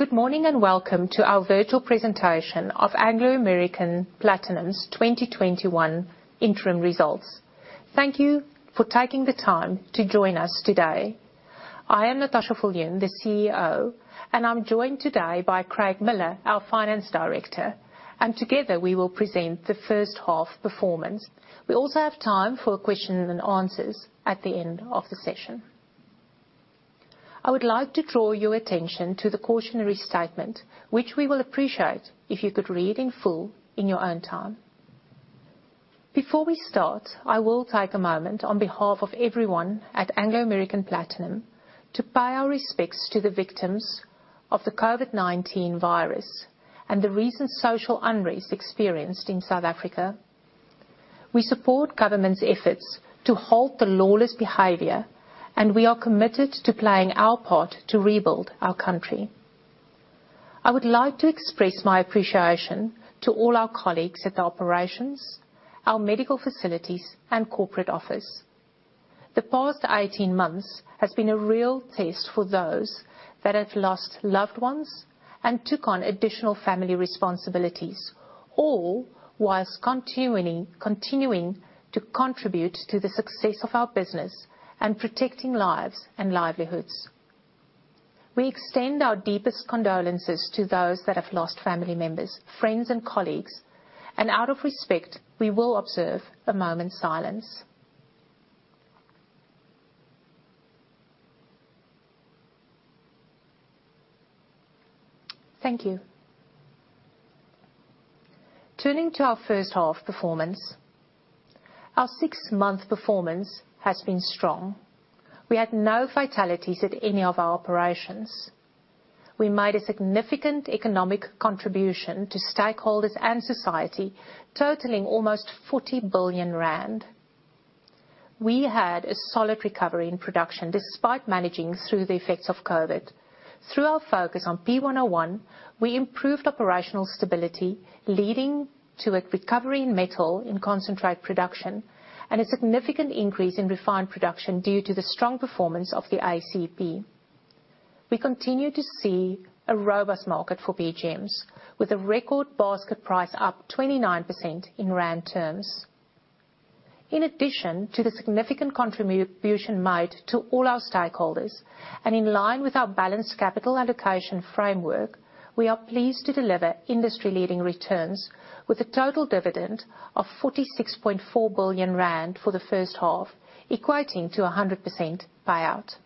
Good morning and welcome to our virtual presentation of Anglo American Platinum's 2021 Interim Results. Thank you for taking the time to join us today. I am Natascha Viljoen, the CEO, and I'm joined today by Craig Miller, our Finance Director, and together we will present the first half performance. We also have time for questions and answers at the end of the session. I would like to draw your attention to the cautionary statement, which we will appreciate if you could read in full in your own time. Before we start, I will take a moment on behalf of everyone at Anglo American Platinum to pay our respects to the victims of the COVID-19 virus and the recent social unrest experienced in South Africa. We support government's efforts to halt the lawless behavior, and we are committed to playing our part to rebuild our country. I would like to express my appreciation to all our colleagues at the operations, our medical facilities, and corporate office. The past 18 months has been a real test for those that have lost loved ones and took on additional family responsibilities, all whilst continuing to contribute to the success of our business and protecting lives and livelihoods. We extend our deepest condolences to those that have lost family members, friends, and colleagues. Out of respect, we will observe a moment's silence. Thank you. Turning to our first half performance, our six-month performance has been strong. We had no fatalities at any of our operations. We made a significant economic contribution to stakeholders and society, totaling almost 40 billion rand. We had a solid recovery in production despite managing through the effects of COVID-19. Through our focus on P101, we improved operational stability, leading to a recovery in metal in concentrate production and a significant increase in refined production due to the strong performance of the ACP. We continue to see a robust market for PGMs, with a record basket price up 29% in ZAR terms. In addition to the significant contribution made to all our stakeholders, and in line with our balanced capital allocation framework, we are pleased to deliver industry-leading returns with a total dividend of 46.4 billion rand for the first half, equating to 100% payout.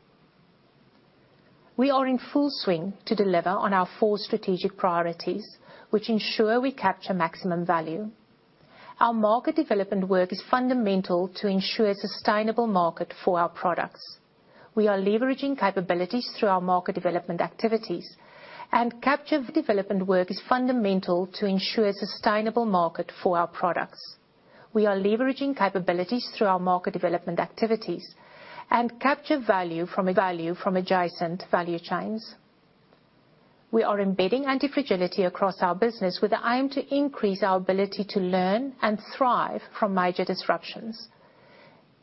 We are in full swing to deliver on our four strategic priorities, which ensure we capture maximum value. Our market development work is fundamental to ensure a sustainable market for our products. We are leveraging capabilities through our market development activities and capture value from adjacent value chains. We are embedding antifragility across our business with the aim to increase our ability to learn and thrive from major disruptions.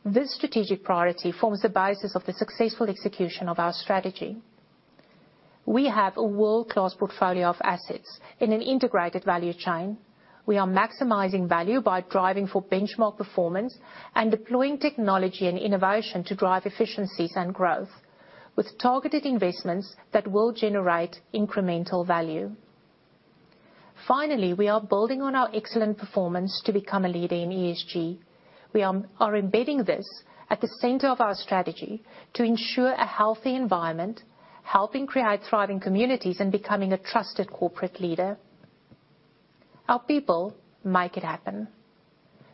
This strategic priority forms the basis of the successful execution of our strategy. We have a world-class portfolio of assets in an integrated value chain. We are maximizing value by driving for benchmark performance and deploying technology and innovation to drive efficiencies and growth with targeted investments that will generate incremental value. Finally, we are building on our excellent performance to become a leader in ESG. We are embedding this at the center of our strategy to ensure a healthy environment, helping create thriving communities, and becoming a trusted corporate leader. Our people make it happen.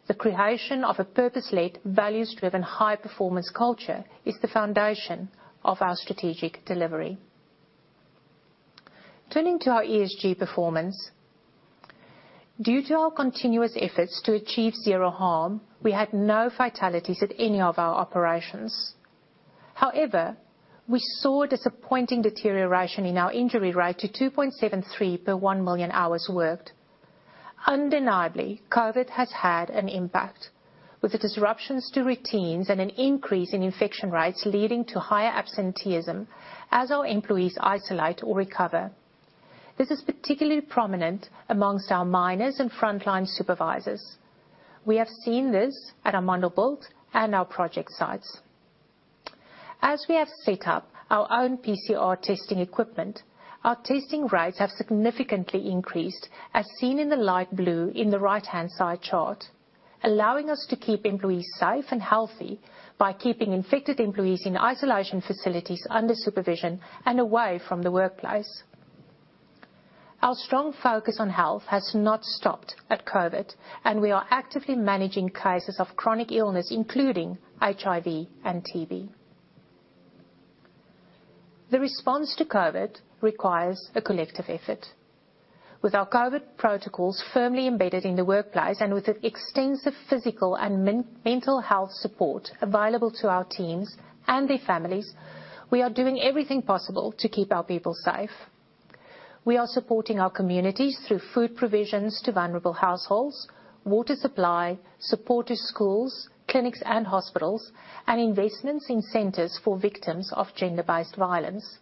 The creation of a purpose-led, values-driven, high-performance culture is the foundation of our strategic delivery. Turning to our ESG performance. Due to our continuous efforts to achieve zero harm, we had no fatalities at any of our operations. However, we saw disappointing deterioration in our injury rate to 2.73 per 1 million hours worked. Undeniably, COVID has had an impact, with the disruptions to routines and an increase in infection rates leading to higher absenteeism as our employees isolate or recover. This is particularly prominent among our miners and frontline supervisors. We have seen this at Amandelbult and our project sites. As we have set up our own PCR testing equipment, our testing rates have significantly increased, as seen in the light blue in the right-hand side chart, allowing us to keep employees safe and healthy by keeping infected employees in isolation facilities under supervision and away from the workplace. Our strong focus on health has not stopped at COVID, and we are actively managing cases of chronic illness, including HIV and TB. The response to COVID requires a collective effort. With our COVID protocols firmly embedded in the workplace and with extensive physical and mental health support available to our teams and their families, we are doing everything possible to keep our people safe. We are supporting our communities through food provisions to vulnerable households, water supply, support to schools, clinics, and hospitals, and investments in centers for victims of gender-based violence.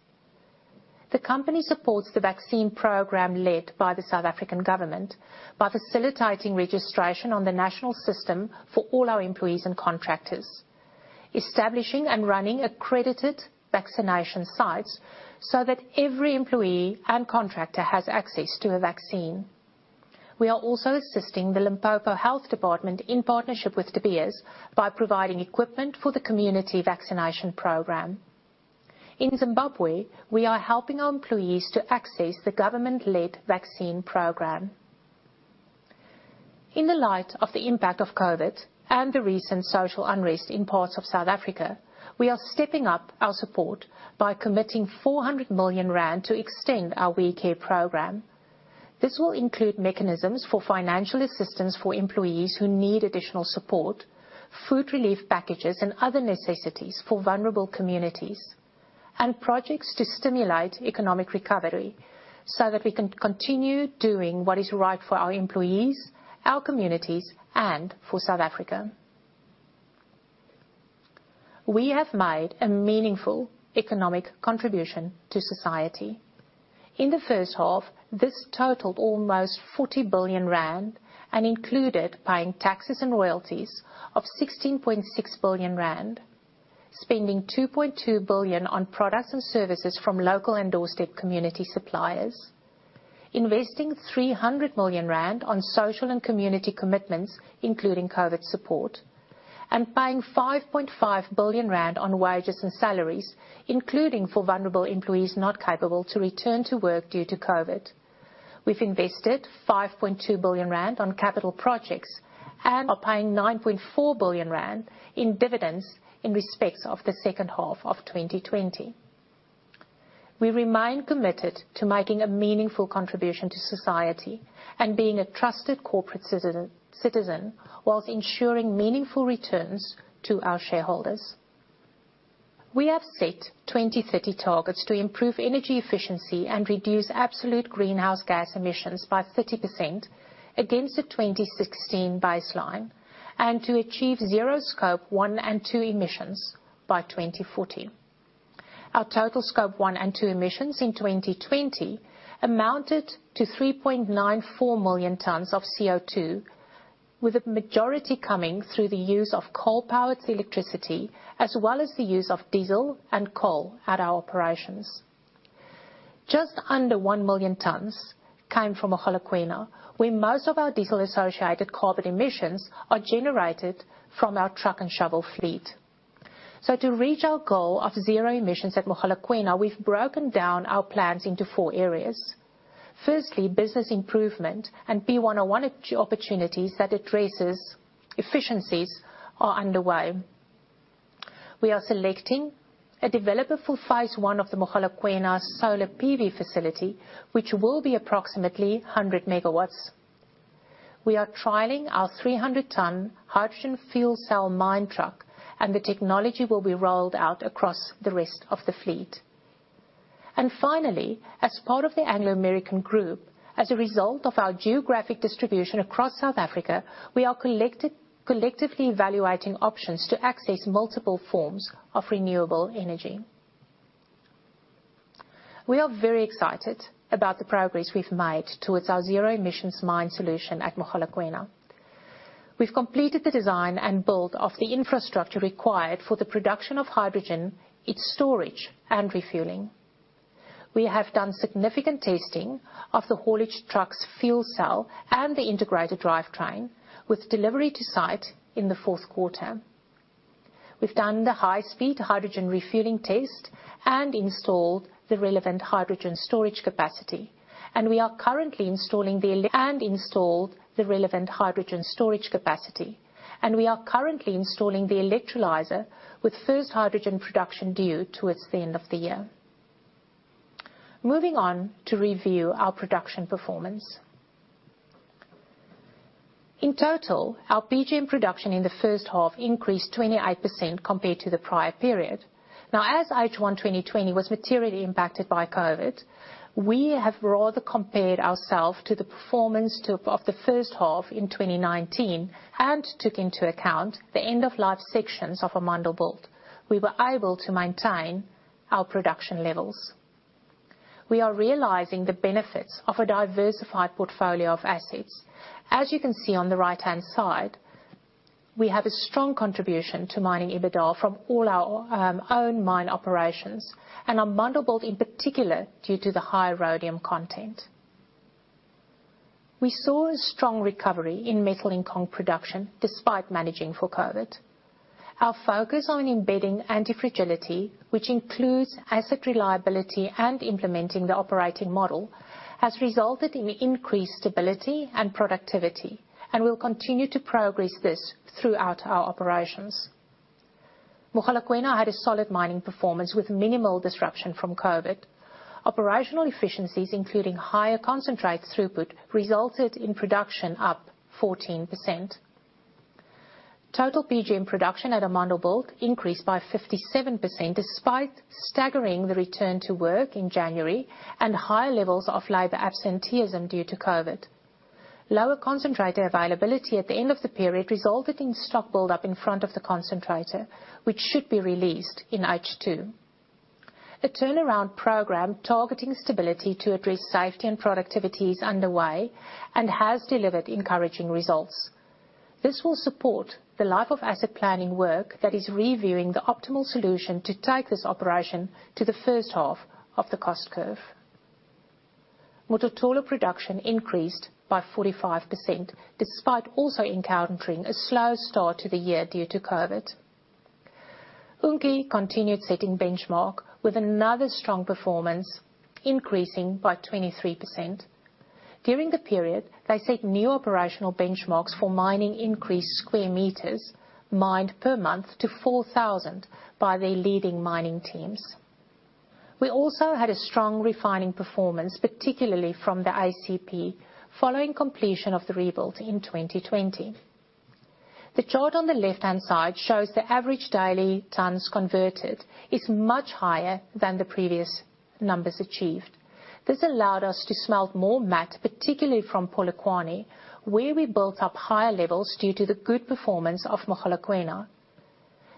The company supports the vaccine program led by the South African government by facilitating registration on the national system for all our employees and contractors, establishing and running accredited vaccination sites so that every employee and contractor has access to a vaccine. We are also assisting the Limpopo Department of Health in partnership with De Beers, by providing equipment for the community vaccination program. In Zimbabwe, we are helping our employees to access the government-led vaccine program. In the light of the impact of COVID-19 and the recent social unrest in parts of South Africa, we are stepping up our support by committing 400 million rand to extend our WeCare program. This will include mechanisms for financial assistance for employees who need additional support, food relief packages, and other necessities for vulnerable communities, and projects to stimulate economic recovery so that we can continue doing what is right for our employees, our communities, and for South Africa. We have made a meaningful economic contribution to society. In the first half, this totaled almost 40 billion rand and included paying taxes and royalties of 16.6 billion rand, spending 2.2 billion on products and services from local and doorstep community suppliers, investing 300 million rand on social and community commitments, including COVID-19 support, and paying 5.5 billion rand on wages and salaries, including for vulnerable employees not capable to return to work due to COVID-19. We've invested 5.2 billion rand on capital projects and are paying 9.4 billion rand in dividends in respect of the second half of 2020. We remain committed to making a meaningful contribution to society and being a trusted corporate citizen while ensuring meaningful returns to our shareholders. We have set 2030 targets to improve energy efficiency and reduce absolute greenhouse gas emissions by 30% against the 2016 baseline, and to achieve zero Scope 1 and Scope 2 emissions by 2040. Our total Scope 1 and 2 emissions in 2020 amounted to 3.94 million tons of CO2, with a majority coming through the use of coal-powered electricity, as well as the use of diesel and coal at our operations. Just under 1 million tons came from Mogalakwena, where most of our diesel-associated carbon emissions are generated from our truck and shovel fleet. To reach our goal of zero emissions at Mogalakwena, we've broken down our plans into four areas. Firstly, business improvement and P101 opportunities that addresses efficiencies are underway. We are selecting a developer for phase I of the Mogalakwena's solar PV facility, which will be approximately 100 MW. We are trialing our 300-ton hydrogen fuel cell mine truck, and the technology will be rolled out across the rest of the fleet. Finally, as part of the Anglo American Group, as a result of our geographic distribution across South Africa, we are collectively evaluating options to access multiple forms of renewable energy. We are very excited about the progress we've made towards our zero emissions mine solution at Mogalakwena. We've completed the design and build of the infrastructure required for the production of hydrogen, its storage, and refueling. We have done significant testing of the haulage trucks' fuel cell and the integrated drivetrain, with delivery to site in the fourth quarter. We've done the high-speed hydrogen refueling test and installed the relevant hydrogen storage capacity. We are currently installing the electrolyzer with first hydrogen production due towards the end of the year. Moving on to review our production performance. In total, our PGM production in the first half increased 28% compared to the prior period. As H1 2020 was materially impacted by COVID-19, we have rather compared ourselves to the performance of the first half in 2019 and took into account the end-of-life sections of Amandelbult. We were able to maintain our production levels. We are realizing the benefits of a diversified portfolio of assets. As you can see on the right-hand side, we have a strong contribution to mining EBITDA from all our own mine operations, and Amandelbult in particular, due to the high rhodium content. We saw a strong recovery in metal in concentrates production despite managing for COVID-19. Our focus on embedding antifragility, which includes asset reliability and implementing the operating model, has resulted in increased stability and productivity, and we'll continue to progress this throughout our operations. Mogalakwena had a solid mining performance with minimal disruption from COVID-19. Operational efficiencies, including higher concentrate throughput, resulted in production up 14%. Total PGM production at Amandelbult increased by 57%, despite staggering the return to work in January and high levels of labor absenteeism due to COVID. Lower concentrator availability at the end of the period resulted in stock build-up in front of the concentrator, which should be released in H2. The turnaround program targeting stability to address safety and productivity is underway and has delivered encouraging results. This will support the life of asset planning work that is reviewing the optimal solution to take this operation to the first half of the cost curve. Motlotlho production increased by 45%, despite also encountering a slow start to the year due to COVID. Unki continued setting benchmark with another strong performance, increasing by 23%. During the period, they set new operational benchmarks for mining increased square meters mined per month to 4,000 by their leading mining teams. We also had a strong refining performance, particularly from the ACP, following completion of the rebuild in 2020. The chart on the left-hand side shows the average daily tons converted is much higher than the previous numbers achieved. This allowed us to smelt more matte, particularly from Polokwane, where we built up higher levels due to the good performance of Mogalakwena.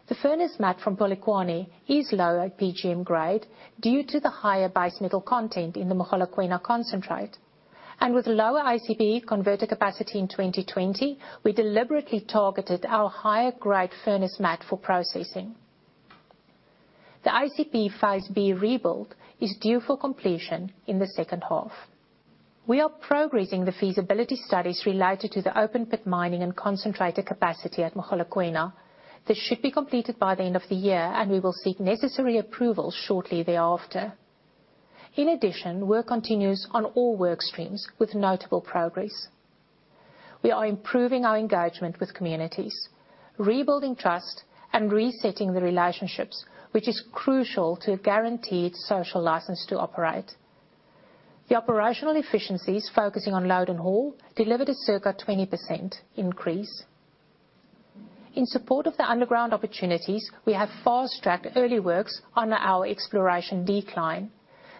The furnace matte from Polokwane is lower PGM grade due to the higher base metal content in the Mogalakwena concentrate. With lower ACP converter capacity in 2020, we deliberately targeted our higher grade furnace matte for processing. The ACP phase B rebuild is due for completion in the second half. We are progressing the feasibility studies related to the open pit mining and concentrator capacity at Mogalakwena. This should be completed by the end of the year, and we will seek necessary approvals shortly thereafter. In addition, work continues on all work streams with notable progress. We are improving our engagement with communities, rebuilding trust, and resetting the relationships, which is crucial to a guaranteed social license to operate. The operational efficiencies, focusing on load and haul, delivered a circa 20% increase. In support of the underground opportunities, we have fast-tracked early works on our exploration decline.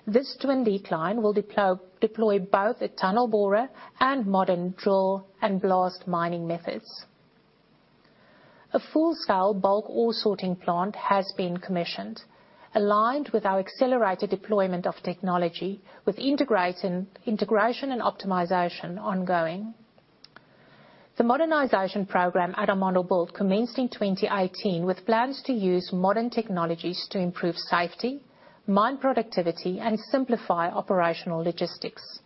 This twin decline will deploy both a tunnel borer and modern drill and blast mining methods. A full-scale bulk ore sorting plant has been commissioned, aligned with our accelerated deployment of technology with integration and optimization ongoing. The modernization program at Amandelbult commenced in 2018 with plans to use modern technologies to improve safety, mine productivity, and simplify operational logistics.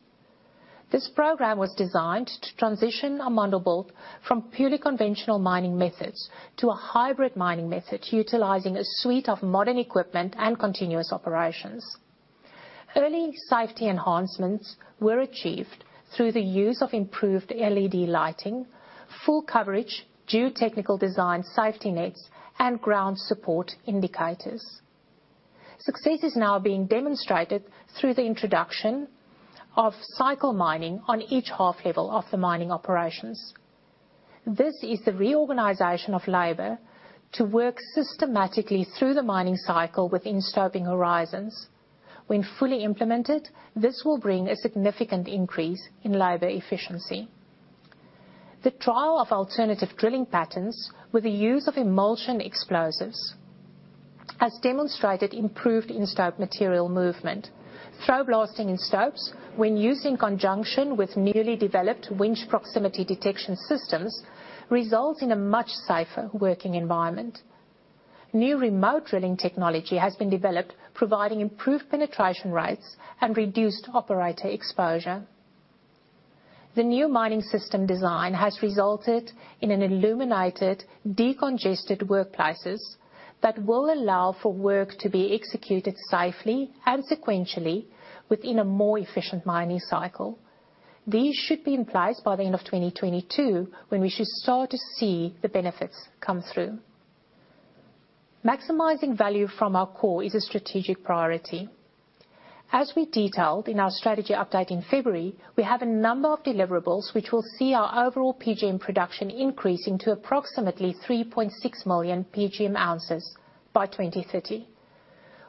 This program was designed to transition Amandelbult from purely conventional mining methods to a hybrid mining method utilizing a suite of modern equipment and continuous operations. Early safety enhancements were achieved through the use of improved LED lighting, full coverage geotechnical design safety nets, and ground support indicators. Success is now being demonstrated through the introduction of cycle mining on each half level of the mining operations. This is the reorganization of labor to work systematically through the mining cycle within stope horizons. When fully implemented, this will bring a significant increase in labor efficiency. The trial of alternative drilling patterns with the use of emulsion explosives has demonstrated improved in-stope material movement. Throw blasting in stopes when used in conjunction with newly developed winch proximity detection systems results in a much safer working environment. New remote drilling technology has been developed, providing improved penetration rates and reduced operator exposure. The new mining system design has resulted in illuminated, decongested workplaces that will allow for work to be executed safely and sequentially within a more efficient mining cycle. These should be in place by the end of 2022, when we should start to see the benefits come through. Maximizing value from our core is a strategic priority. As we detailed in our strategy update in February, we have a number of deliverables which will see our overall PGM production increasing to approximately 3.6 million PGM ounces by 2030.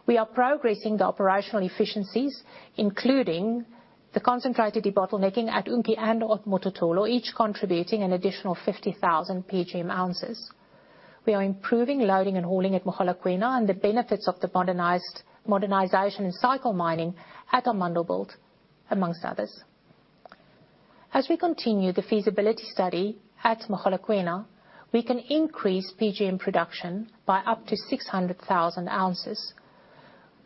We are progressing the operational efficiencies, including the concentrator debottlenecking at Unki and at Motlotlho, each contributing an additional 50,000 PGM ounces. We are improving loading and hauling at Mogalakwena and the benefits of the modernization and cycle mining at Amandelbult, amongst others. As we continue the feasibility study at Mogalakwena, we can increase PGM production by up to 600,000 ounces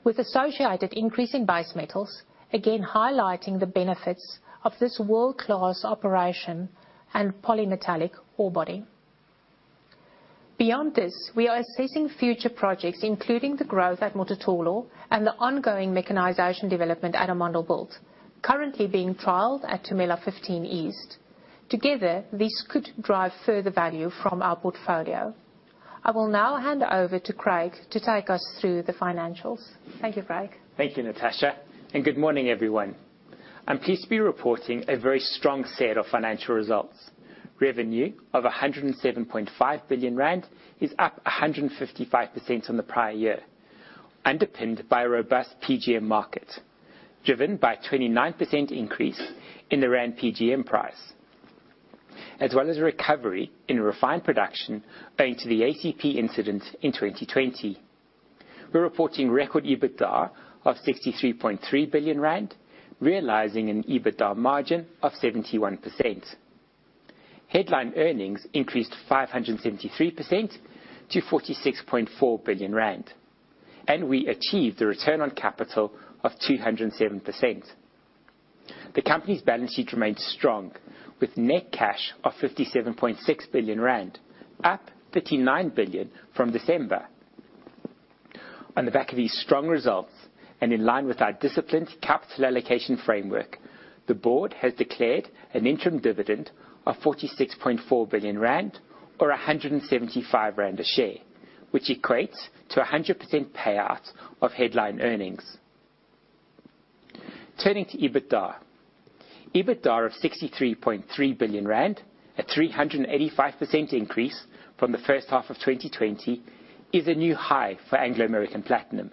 with associated increase in base metals, again highlighting the benefits of this world-class operation and polymetallic ore body. Beyond this, we are assessing future projects, including the growth at Motlotlho and the ongoing mechanization development at Amandelbult, currently being trialed at Tumela 15 East. Together, this could drive further value from our portfolio. I will now hand over to Craig to take us through the financials. Thank you, Craig. Thank you, Natascha. Good morning, everyone. I'm pleased to be reporting a very strong set of financial results. Revenue of 107.5 billion rand is up 155% on the prior year, underpinned by a robust PGM market, driven by a 29% increase in the ZAR PGM price, as well as a recovery in refined production owing to the ACP incident in 2020. We're reporting record EBITDA of 63.3 billion rand, realizing an EBITDA margin of 71%. Headline earnings increased 573% to 46.4 billion rand, and we achieved the return on capital of 207%. The company's balance sheet remains strong, with net cash of 57.6 billion rand, up 39 billion from December. On the back of these strong results, and in line with our disciplined capital allocation framework, the board has declared an interim dividend of 46.4 billion rand or 175 rand a share, which equates to 100% payout of headline earnings. Turning to EBITDA. EBITDA of 63.3 billion rand, a 385% increase from the first half of 2020, is a new high for Anglo American Platinum.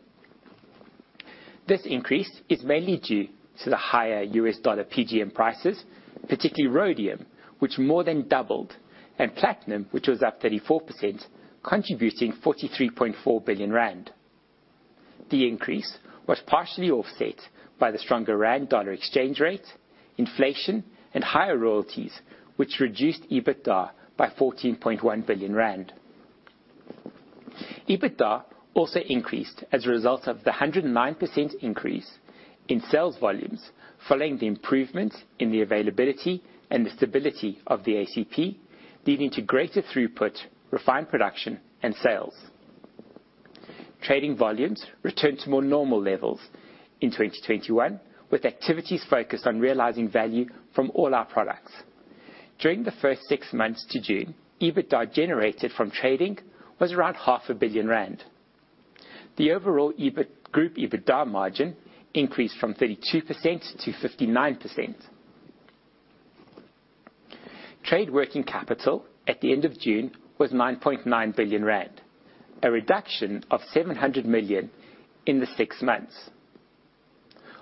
This increase is mainly due to the higher US dollar PGM prices, particularly rhodium, which more than doubled, and platinum, which was up 34%, contributing 43.4 billion rand. The increase was partially offset by the stronger rand/dollar exchange rate, inflation, and higher royalties, which reduced EBITDA by 14.1 billion rand. EBITDA also increased as a result of the 109% increase in sales volumes following the improvement in the availability and the stability of the ACP, leading to greater throughput, refined production, and sales. Trading volumes returned to more normal levels in 2021, with activities focused on realizing value from all our products. During the first six months to June, EBITDA generated from trading was around half a billion ZAR. The overall group EBITDA margin increased from 32% to 59%. Trade working capital at the end of June was 9.9 billion rand, a reduction of 700 million in the six months.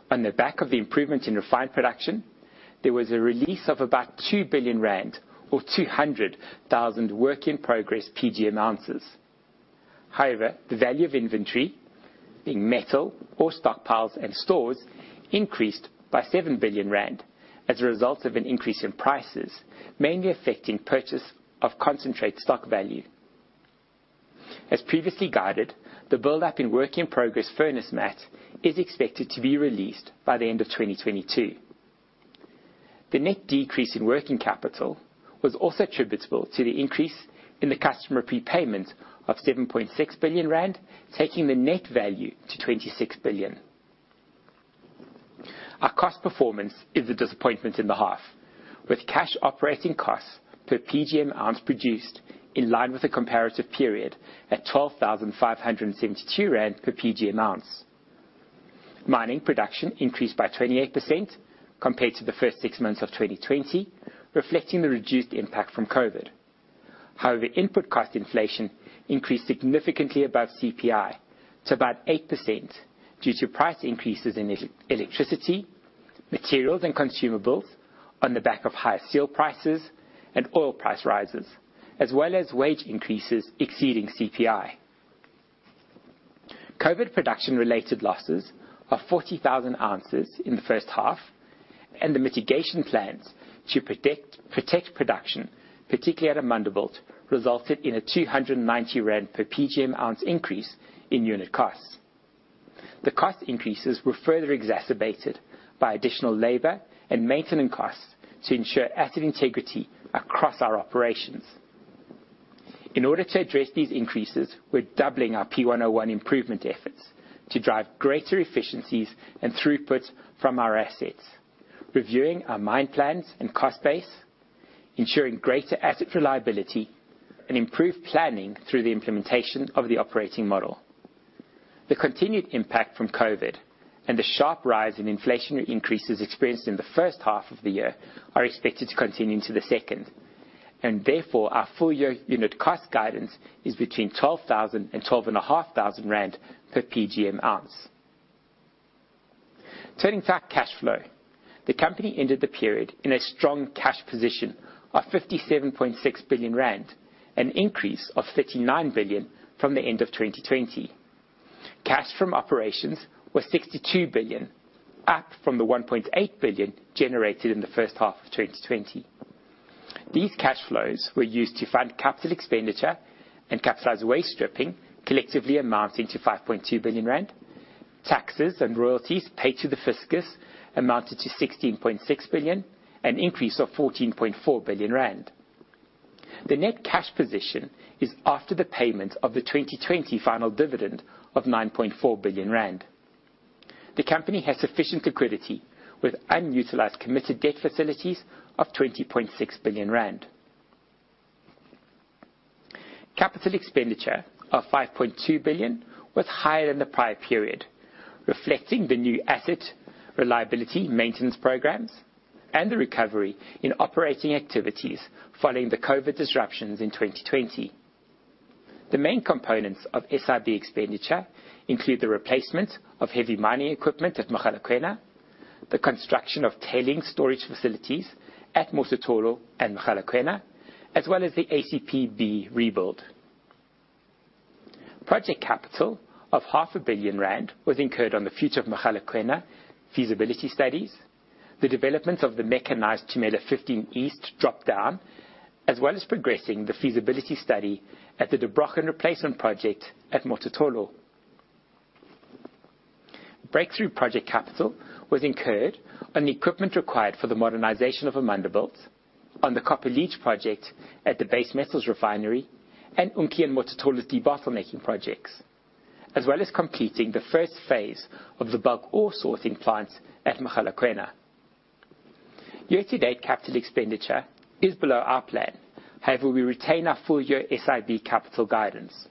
On the back of the improvement in refined production, there was a release of about 2 billion rand or 200,000 work-in-progress PGM ounces. However, the value of inventory, being metal or stockpiles and stores, increased by 7 billion rand as a result of an increase in prices, mainly affecting purchase of concentrate stock value. As previously guided, the buildup in work-in-progress furnace matte is expected to be released by the end of 2022. The net decrease in working capital was also attributable to the increase in the customer prepayment of 7.6 billion rand, taking the net value to 26 billion. Our cost performance is a disappointment in the half, with cash operating costs per PGM ounce produced in line with the comparative period at 12,572 rand per PGM ounce. Mining production increased by 28% compared to the first six months of 2020, reflecting the reduced impact from COVID. Input cost inflation increased significantly above CPI to about 8% due to price increases in electricity, materials, and consumables on the back of higher steel prices and oil price rises, as well as wage increases exceeding CPI. COVID production-related losses are 40,000 ounces in the first half, and the mitigation plans to protect production, particularly at Amandelbult, resulted in a 290 rand per PGM ounce increase in unit costs. The cost increases were further exacerbated by additional labor and maintenance costs to ensure asset integrity across our operations. In order to address these increases, we're doubling our P101 improvement efforts to drive greater efficiencies and throughput from our assets, reviewing our mine plans and cost base, ensuring greater asset reliability, and improved planning through the implementation of the operating model. The continued impact from COVID and the sharp rise in inflationary increases experienced in the first half of the year are expected to continue into the second, and therefore our full-year unit cost guidance is between 12,000 and 12,500 rand per PGM ounce. Turning to our cash flow. The company ended the period in a strong cash position of 57.6 billion rand, an increase of 39 billion from the end of 2020. Cash from operations was 62 billion, up from the 1.8 billion generated in the first half of 2020. These cash flows were used to fund capital expenditure and capitalized waste stripping, collectively amounting to 5.2 billion rand. Taxes and royalties paid to the fiscus amounted to 16.6 billion, an increase of 14.4 billion rand. The net cash position is after the payment of the 2020 final dividend of 9.4 billion rand. The company has sufficient liquidity with unutilized committed debt facilities of 20.6 billion rand. Capital expenditure of 5.2 billion was higher than the prior period, reflecting the new asset reliability maintenance programs and the recovery in operating activities following the COVID-19 disruptions in 2020. The main components of SIB expenditure include the replacement of heavy mining equipment at Mogalakwena, the construction of tailing storage facilities at Motlotlho and Mogalakwena, as well as the ACPB rebuild. Project capital of half a billion rand was incurred on the future of Mogalakwena feasibility studies, the development of the mechanized Tumela 15 East drop-down, as well as progressing the feasibility study at the Der Brochen replacement project at Motlotlho. Breakthrough project capital was incurred on the equipment required for the modernization of Amandelbult on the copper leach project at the base metals refinery and on Ke and Motlotlho debottlenecking projects, as well as completing the first phase of the bulk ore sorting plant at Mogalakwena. Year-to-date capital expenditure is below our plan. We retain our full-year SIB capital guidance.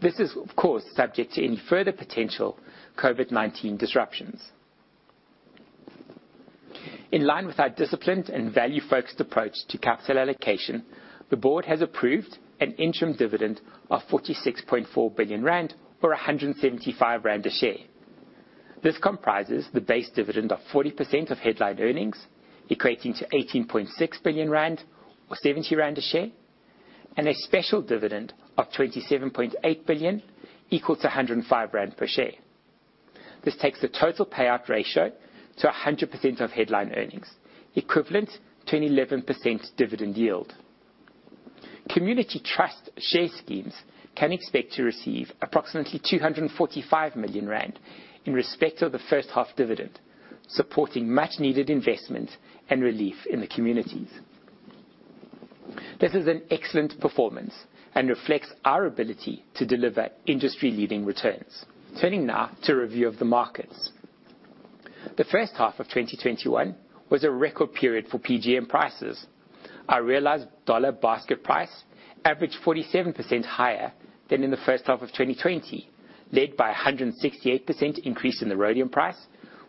This is, of course, subject to any further potential COVID-19 disruptions. In line with our disciplined and value-focused approach to capital allocation, the board has approved an interim dividend of 46.4 billion rand, or 175 rand a share. This comprises the base dividend of 40% of headline earnings, equating to 18.6 billion rand or 70 rand a share, and a special dividend of 27.8 billion, equal to 105 rand per share. This takes the total payout ratio to 100% of headline earnings, equivalent to an 11% dividend yield. Community trust share schemes can expect to receive approximately 245 million rand in respect of the first half dividend, supporting much needed investment and relief in the communities. This is an excellent performance and reflects our ability to deliver industry-leading returns. Turning now to review of the markets. The first half of 2021 was a record period for PGM prices. Our realized dollar basket price averaged 47% higher than in the first half of 2020, led by 168% increase in the rhodium price,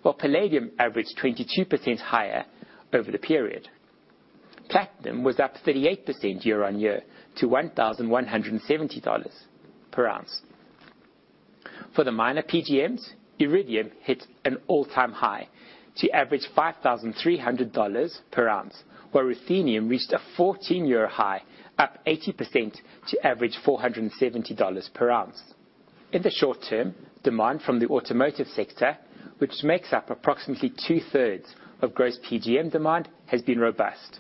while palladium averaged 22% higher over the period. Platinum was up 38% year-on-year to $1,170 per ounce. For the minor PGMs, iridium hit an all-time high to average $5,300 per ounce, while ruthenium reached a 14-year high, up 80% to average $470 per ounce. In the short term, demand from the automotive sector, which makes up approximately two-thirds of gross PGM demand, has been robust.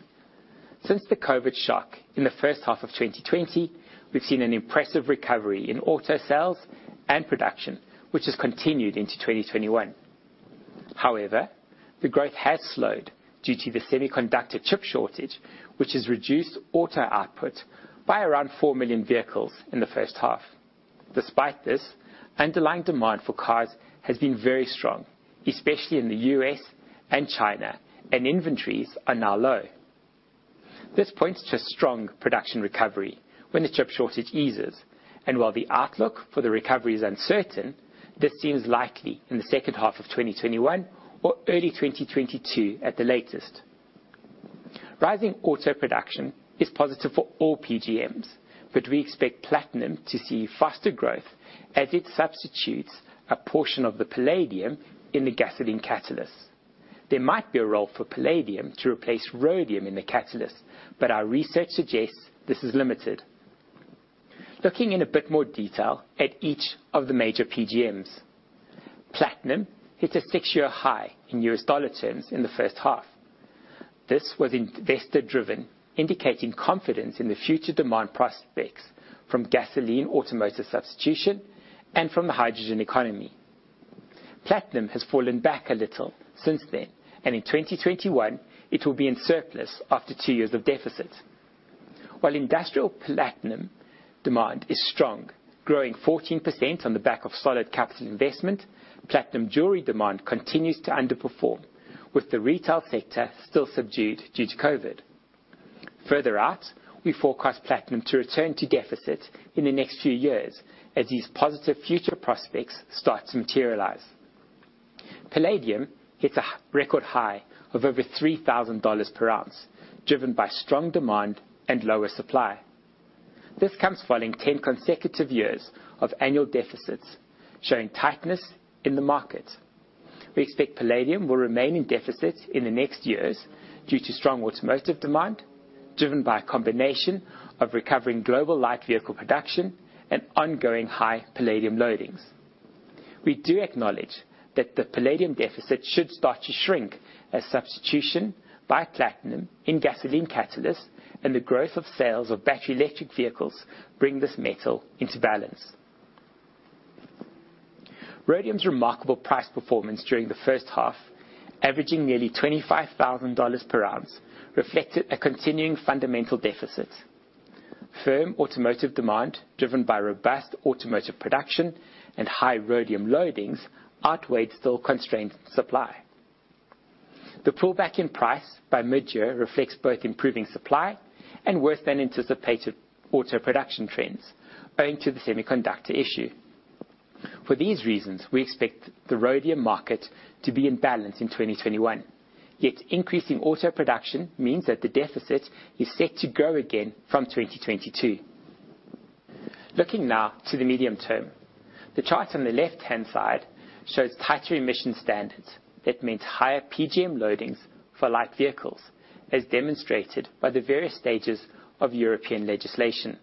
Since the COVID shock in the first half of 2020, we've seen an impressive recovery in auto sales and production, which has continued into 2021. However, the growth has slowed due to the semiconductor chip shortage, which has reduced auto output by around four million vehicles in the first half. Despite this, underlying demand for cars has been very strong, especially in the U.S. and China, and inventories are now low. This points to a strong production recovery when the chip shortage eases. While the outlook for the recovery is uncertain, this seems likely in the second half of 2021 or early 2022 at the latest. Rising auto production is positive for all PGMs, but we expect platinum to see faster growth as it substitutes a portion of the palladium in the gasoline catalyst. There might be a role for palladium to replace rhodium in the catalyst, but our research suggests this is limited. Looking in a bit more detail at each of the major PGMs. Platinum hit a six-year high in U.S. dollar terms in the first half. This was investor-driven, indicating confidence in the future demand prospects from gasoline automotive substitution and from the Hydrogen Economy. Platinum has fallen back a little since then, and in 2021 it will be in surplus after two years of deficit. While industrial platinum demand is strong, growing 14% on the back of solid capital investment, platinum jewelry demand continues to underperform, with the retail sector still subdued due to COVID-19. Further out, we forecast platinum to return to deficit in the next few years as these positive future prospects start to materialize. Palladium hits a record high of over $3,000 per ounce, driven by strong demand and lower supply. This comes following 10 consecutive years of annual deficits, showing tightness in the market. We expect palladium will remain in deficit in the next years due to strong automotive demand, driven by a combination of recovering global light vehicle production and ongoing high palladium loadings. We do acknowledge that the palladium deficit should start to shrink as substitution by platinum in gasoline catalysts and the growth of sales of battery electric vehicles bring this metal into balance. Rhodium's remarkable price performance during the first half, averaging nearly $25,000 per ounce, reflected a continuing fundamental deficit. Firm automotive demand, driven by robust automotive production and high rhodium loadings, outweighed still constrained supply. The pullback in price by mid-year reflects both improving supply and worse than anticipated auto production trends owing to the semiconductor issue. For these reasons, we expect the rhodium market to be in balance in 2021. Increasing auto production means that the deficit is set to grow again from 2022. Looking now to the medium term, the chart on the left-hand side shows tighter emission standards that means higher PGM loadings for light vehicles, as demonstrated by the various stages of European legislation.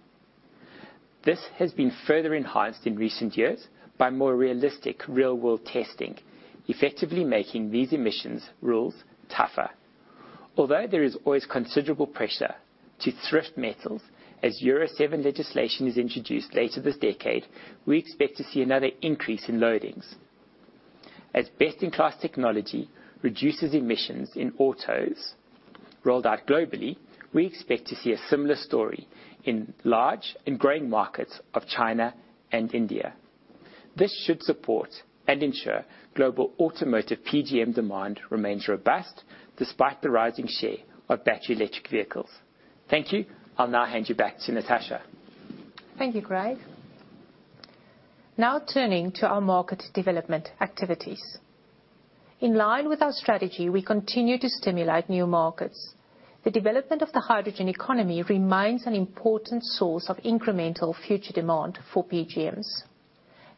This has been further enhanced in recent years by more realistic real-world testing, effectively making these emissions rules tougher. Although there is always considerable pressure to thrift metals, as Euro 7 legislation is introduced later this decade, we expect to see another increase in loadings. As best-in-class technology reduces emissions in autos rolled out globally, we expect to see a similar story in large and growing markets of China and India. This should support and ensure global automotive PGM demand remains robust despite the rising share of battery electric vehicles. Thank you. I'll now hand you back to Natascha. Thank you, Craig. Now turning to our market development activities. In line with our strategy, we continue to stimulate new markets. The development of the hydrogen economy remains an important source of incremental future demand for PGMs.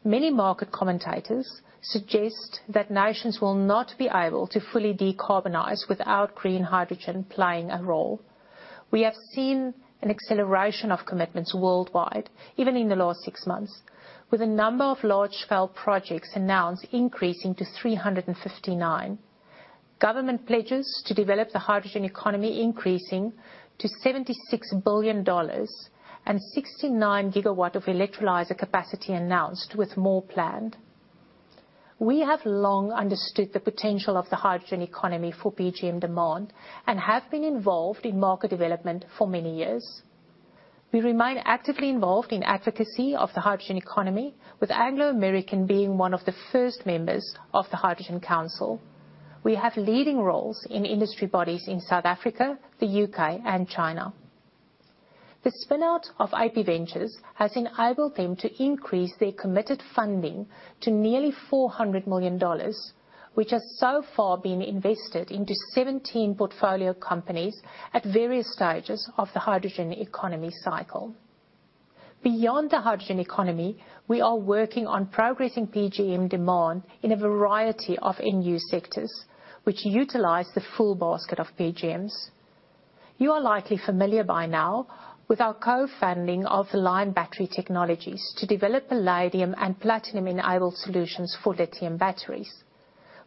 Many market commentators suggest that nations will not be able to fully decarbonize without green hydrogen playing a role. We have seen an acceleration of commitments worldwide, even in the last six months, with a number of large-scale projects announced increasing to 359. Government pledges to develop the hydrogen economy increasing to $76 billion and 69 GW of electrolyzer capacity announced, with more planned. We have long understood the potential of the hydrogen economy for PGM demand and have been involved in market development for many years. We remain actively involved in advocacy of the hydrogen economy, with Anglo American being one of the first members of the Hydrogen Council. We have leading roles in industry bodies in South Africa, the U.K. and China. The spin-out of AP Ventures has enabled them to increase their committed funding to nearly $400 million, which has so far been invested into 17 portfolio companies at various stages of the hydrogen economy cycle. Beyond the hydrogen economy, we are working on progressing PGM demand in a variety of end-use sectors, which utilize the full basket of PGMs. You are likely familiar by now with our co-funding of the Lion Battery Technologies to develop palladium and platinum-enabled solutions for lithium batteries.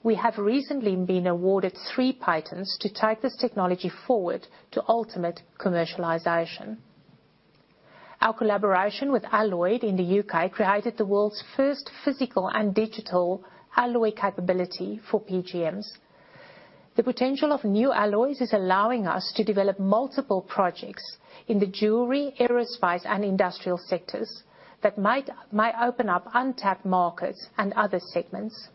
We have recently been awarded three patents to take this technology forward to ultimate commercialization. Our collaboration with Alloyed in the U.K. created the world's first physical and digital alloy capability for PGMs. The potential of new alloys is allowing us to develop multiple projects in the jewelry, aerospace, and industrial sectors that might open up untapped markets and other segments.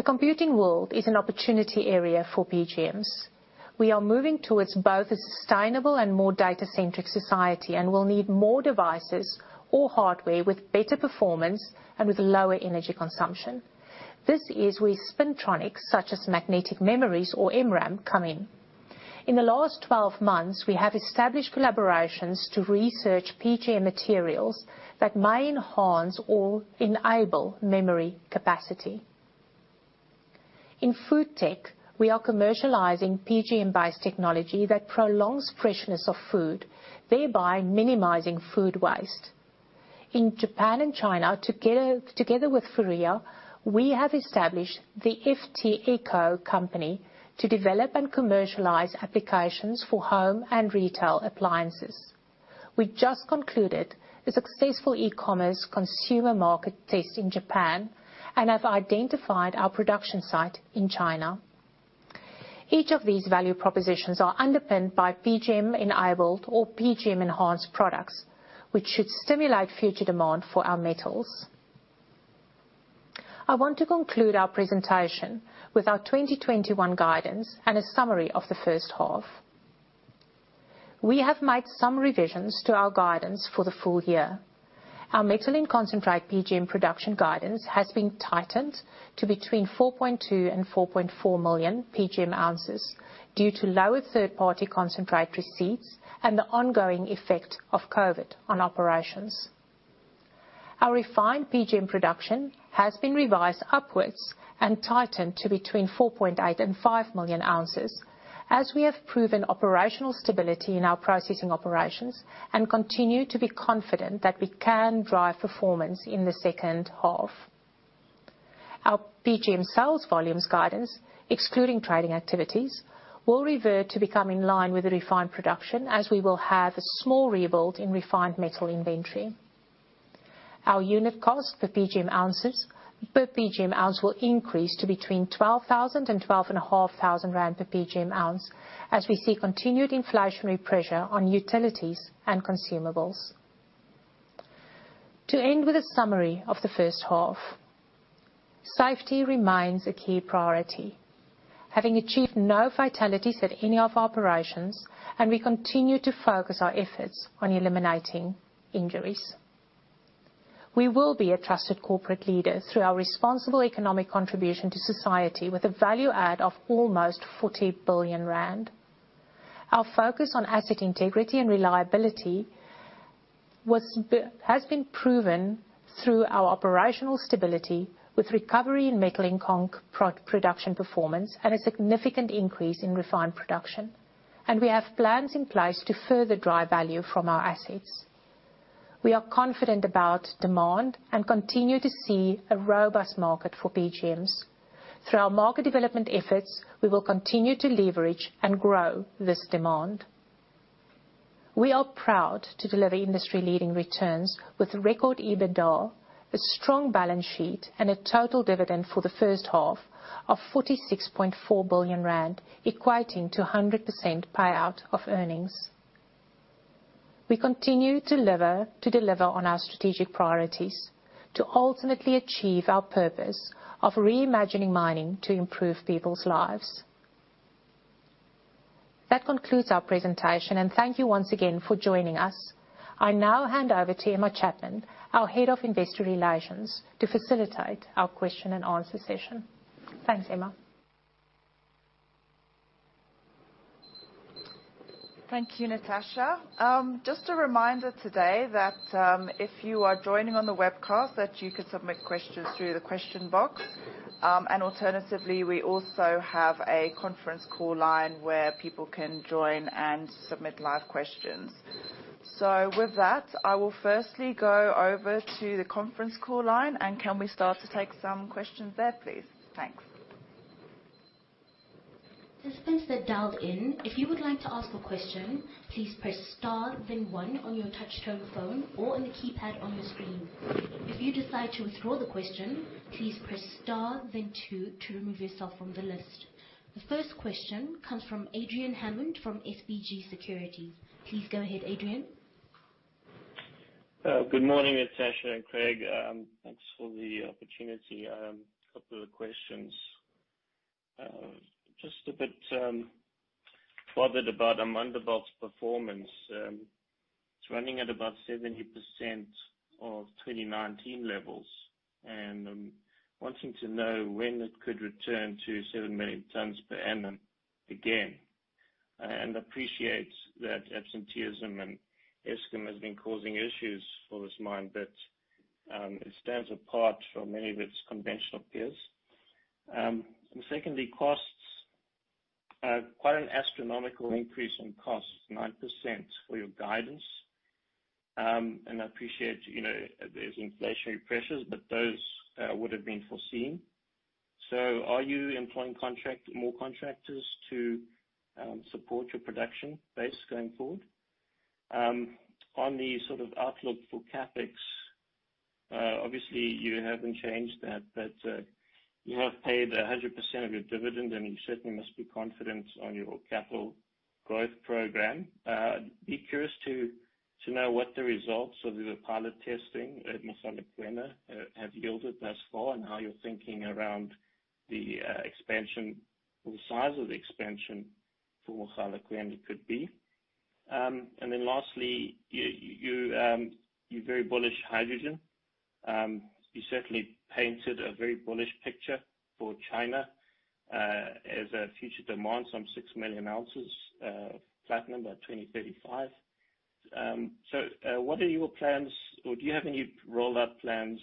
The computing world is an opportunity area for PGMs. We are moving towards both a sustainable and more data-centric society and will need more devices or hardware with better performance and with lower energy consumption. This is where spintronics, such as magnetic memories or MRAM, come in. In the last 12 months, we have established collaborations to research PGM materials that may enhance or enable memory capacity. In food tech, we are commercializing PGM-based technology that prolongs freshness of food, thereby minimizing food waste. In Japan and China, together with Furuya, we have established the FT Eco company to develop and commercialize applications for home and retail appliances. We just concluded a successful e-commerce consumer market test in Japan and have identified our production site in China. Each of these value propositions are underpinned by PGM-enabled or PGM-enhanced products, which should stimulate future demand for our metals. I want to conclude our presentation with our 2021 guidance and a summary of the first half. We have made some revisions to our guidance for the full-year. Our metal in concentrate PGM production guidance has been tightened to between 4.2 and 4.4 million PGM ounces due to lower third-party concentrate receipts and the ongoing effect of COVID-19 on operations. Our refined PGM production has been revised upwards and tightened to between 4.8 and 5 million ounces, as we have proven operational stability in our processing operations and continue to be confident that we can drive performance in the second half. Our PGM sales volumes guidance, excluding trading activities, will revert to become in line with the refined production, as we will have a small rebuild in refined metal inventory. Our unit cost per PGM ounce will increase to between 12,000 and 12,500 rand per PGM ounce as we see continued inflationary pressure on utilities and consumables. To end with a summary of the first half. Safety remains a key priority, having achieved no fatalities at any of our operations, and we continue to focus our efforts on eliminating injuries. We will be a trusted corporate leader through our responsible economic contribution to society, with a value add of almost 40 billion rand. Our focus on asset integrity and reliability has been proven through our operational stability with recovery in metal in con production performance and a significant increase in refined production. We have plans in place to further drive value from our assets. We are confident about demand and continue to see a robust market for PGMs. Through our market development efforts, we will continue to leverage and grow this demand. We are proud to deliver industry-leading returns with record EBITDA, a strong balance sheet, and a total dividend for the first half of 46.4 billion rand, equating to 100% payout of earnings. We continue to deliver on our strategic priorities to ultimately achieve our purpose of reimagining mining to improve people's lives. That concludes our presentation, and thank you once again for joining us. I now hand over to Emma Chapman, our Head of Investor Relations, to facilitate our question and answer session. Thanks, Emma. Thank you, Natascha. Just a reminder today that if you are joining on the webcast, that you can submit questions through the question box. Alternatively, we also have a conference call line where people can join and submit live questions. With that, I will firstly go over to the conference call line, and can we start to take some questions there, please? Thanks. If you would like to ask for question please press star then one on your touchtone phone or any keypad on your screen. If you decide to withdraw the question, please press star then two to remove yourself from the list. The first question comes from Adrian Hammond from SBG Securities. Please go ahead, Adrian. Good morning, Natascha and Craig. Thanks for the opportunity. A couple of questions. Just a bit bothered about Amandelbult performance. It's running at about 70% of 2019 levels, and I'm wanting to know when it could return to 7 million tons per annum again. Appreciate that absenteeism and Eskom has been causing issues for this mine, but it stands apart from many of its conventional peers. Secondly, costs. Quite an astronomical increase in costs, 9% for your guidance. I appreciate there's inflationary pressures, but those would have been foreseen. Are you employing more contractors to support your production base going forward? On the sort of outlook for CapEx, obviously you haven't changed that, but you have paid 100% of your dividend, and you certainly must be confident on your capital growth program. Be curious to know what the results of the pilot testing at Mogalakwena have yielded thus far and how you're thinking around the expansion or the size of the expansion for Mogalakwena could be. Lastly, you're very bullish hydrogen. You certainly painted a very bullish picture for China as a future demand, some 6 million ounces platinum by 2035. What are your plans, or do you have any rollout plans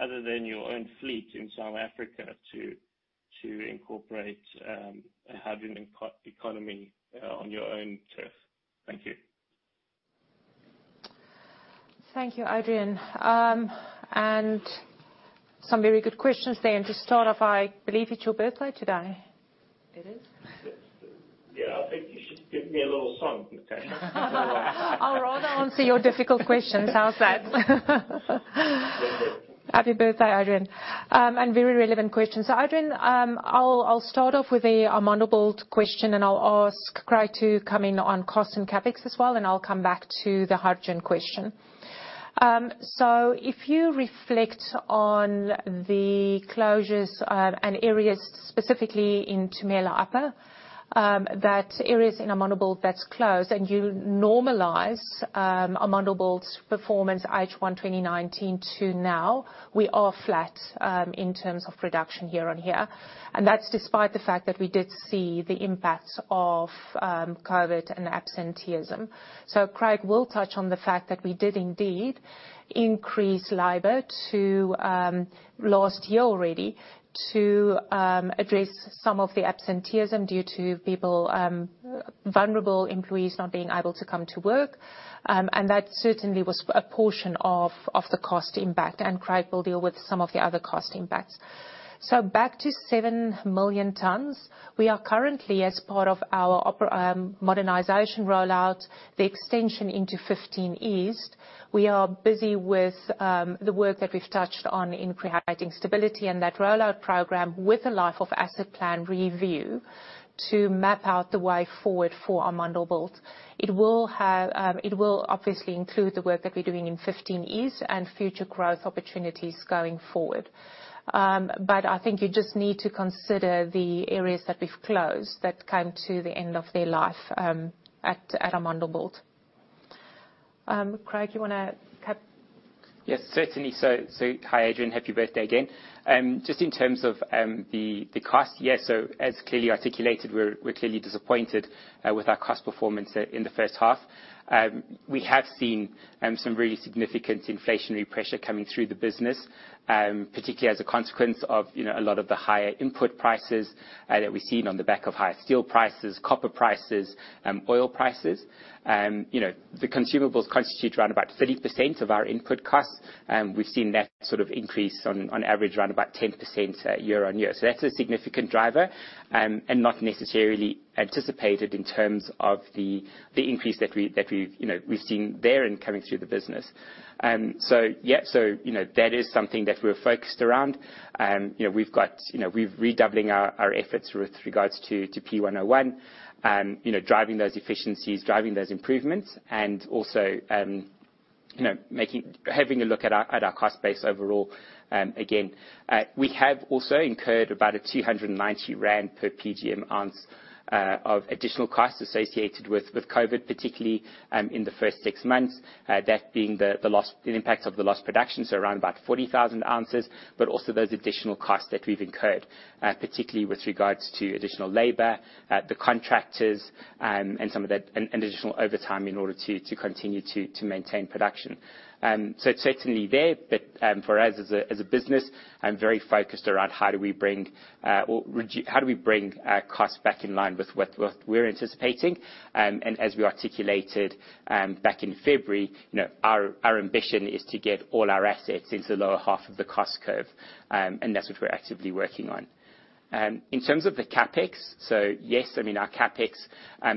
other than your own fleet in South Africa to incorporate a hydrogen economy on your own turf? Thank you. Thank you, Adrian. Some very good questions there. To start off, I believe it's your birthday today. It is. Yeah. I think you should give me a little song, Natascha. I'll rather answer your difficult questions. How's that? That's good. Happy birthday, Adrian. Very relevant question. Adrian, I'll start off with the Amandelbult question, and I'll ask Craig to come in on cost and CapEx as well, and I'll come back to the hydrogen question. If you reflect on the closures and areas specifically in Tumela Upper, that areas in Amandelbult that's closed, and you normalize Amandelbult's performance H1 2019 to now, we are flat in terms of reduction year on year. That's despite the fact that we did see the impacts of COVID-19 and absenteeism. Craig will touch on the fact that we did indeed increase labor to last year already to address some of the absenteeism due to vulnerable employees not being able to come to work, and that certainly was a portion of the cost impact. Craig will deal with some of the other cost impacts. Back to 7 million tons. We are currently, as part of our modernization rollout, the extension into 15 East. We are busy with the work that we've touched on in creating stability and that rollout program with a life of asset plan review to map out the way forward for Amandelbult. It will obviously include the work that we're doing in 15 East and future growth opportunities going forward. I think you just need to consider the areas that we've closed that came to the end of their life at Amandelbult. Craig, you want to cap? Certainly so. Hi, Adrian, happy birthday again. Just in terms of the cost, as clearly articulated, we're clearly disappointed with our cost performance in the first half. We have seen some really significant inflationary pressure coming through the business, particularly as a consequence of a lot of the higher input prices that we've seen on the back of higher steel prices, copper prices, and oil prices. The consumables constitute around about 30% of our input costs. We've seen that increase on average around about 10% year-on-year. That's a significant driver and not necessarily anticipated in terms of the increase that we've seen there and coming through the business. That is something that we're focused around. We're redoubling our efforts with regards to P101, driving those efficiencies, driving those improvements, and also having a look at our cost base overall again. We have also incurred about a 290 rand per PGM ounce of additional costs associated with COVID-19, particularly in the first six months, that being the impact of the lost production, around about 40,000 ounces, but also those additional costs that we've incurred, particularly with regards to additional labor, the contractors, and additional overtime in order to continue to maintain production. It's certainly there, but for us as a business, I'm very focused around how do we bring our costs back in line with what we're anticipating. As we articulated back in February, our ambition is to get all our assets into the lower half of the cost curve, and that's what we're actively working on. In terms of the CapEx, yes, our CapEx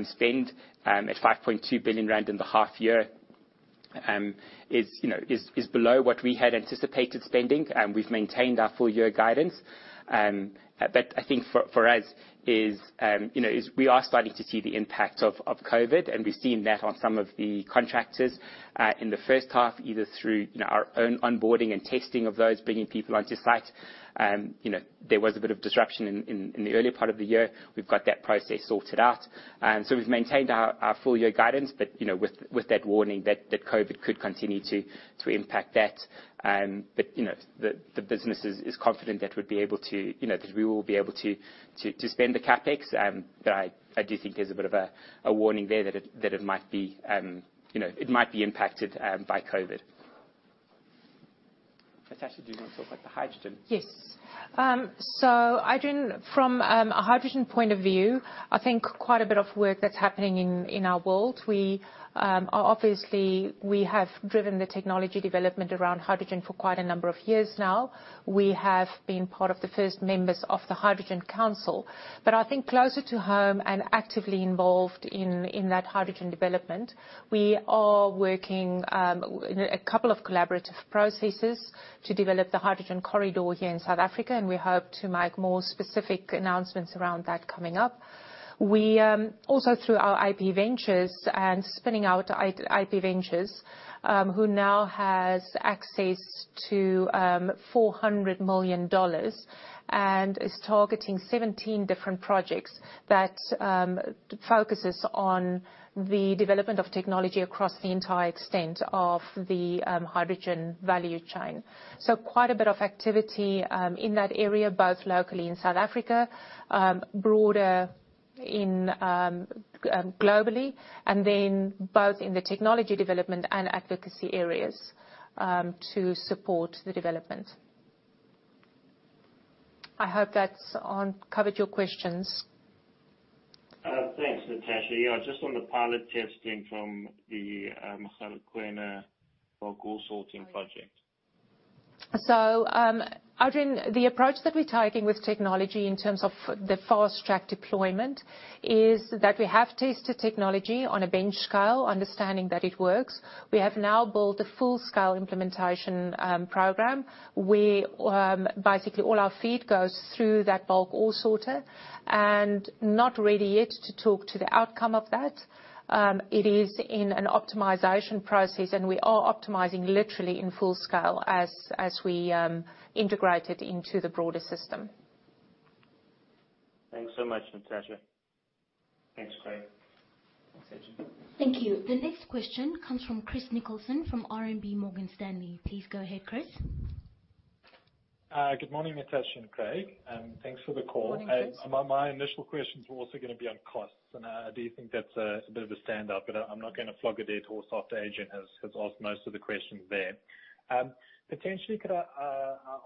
spend at 5.2 billion rand in the half year is below what we had anticipated spending. We've maintained our full-year guidance. I think for us, we are starting to see the impact of COVID, and we've seen that on some of the contractors, in the first half, either through our own onboarding and testing of those bringing people onto site. There was a bit of disruption in the earlier part of the year. We've got that process sorted out. We've maintained our full-year guidance, but with that warning that COVID could continue to impact that. The business is confident that we will be able to spend the CapEx, but I do think there's a bit of a warning there that it might be impacted by COVID. Natascha, do you want to talk about the hydrogen? Yes. Adrian, from a hydrogen point of view, I think quite a bit of work that's happening in our world. Obviously, we have driven the technology development around hydrogen for quite a number of years now. We have been part of the first members of the Hydrogen Council. I think closer to home and actively involved in that hydrogen development, we are working in a couple of collaborative processes to develop the hydrogen corridor here in South Africa, and we hope to make more specific announcements around that coming up. Also through our AP Ventures and spinning out AP Ventures, who now has access to $400 million and is targeting 17 different projects that focuses on the development of technology across the entire extent of the hydrogen value chain. Quite a bit of activity in that area, both locally in South Africa, broader globally, and then both in the technology development and advocacy areas to support the development. I hope that has covered your questions. Thanks, Natascha. Just on the pilot testing from the Mogalakwena bulk ore sorting project. Adrian, the approach that we're taking with technology in terms of the fast-track deployment is that we have tested technology on a bench scale, understanding that it works. We have now built a full-scale implementation program where basically all our feed goes through that bulk ore sorter. Not ready yet to talk to the outcome of that. It is in an optimization process, and we are optimizing literally in full scale as we integrate it into the broader system. Thanks so much, Natascha. Thanks, Craig. Thanks, Adrian. Thank you. The next question comes from Chris Nicholson from RMB Morgan Stanley. Please go ahead, Chris. Good morning, Natascha and Craig, and thanks for the call. Morning, Chris. My initial questions were also going to be on costs, and I do think that's a bit of a standout, but I'm not going to flog a dead horse after Adrian has asked most of the questions there. Potentially, could I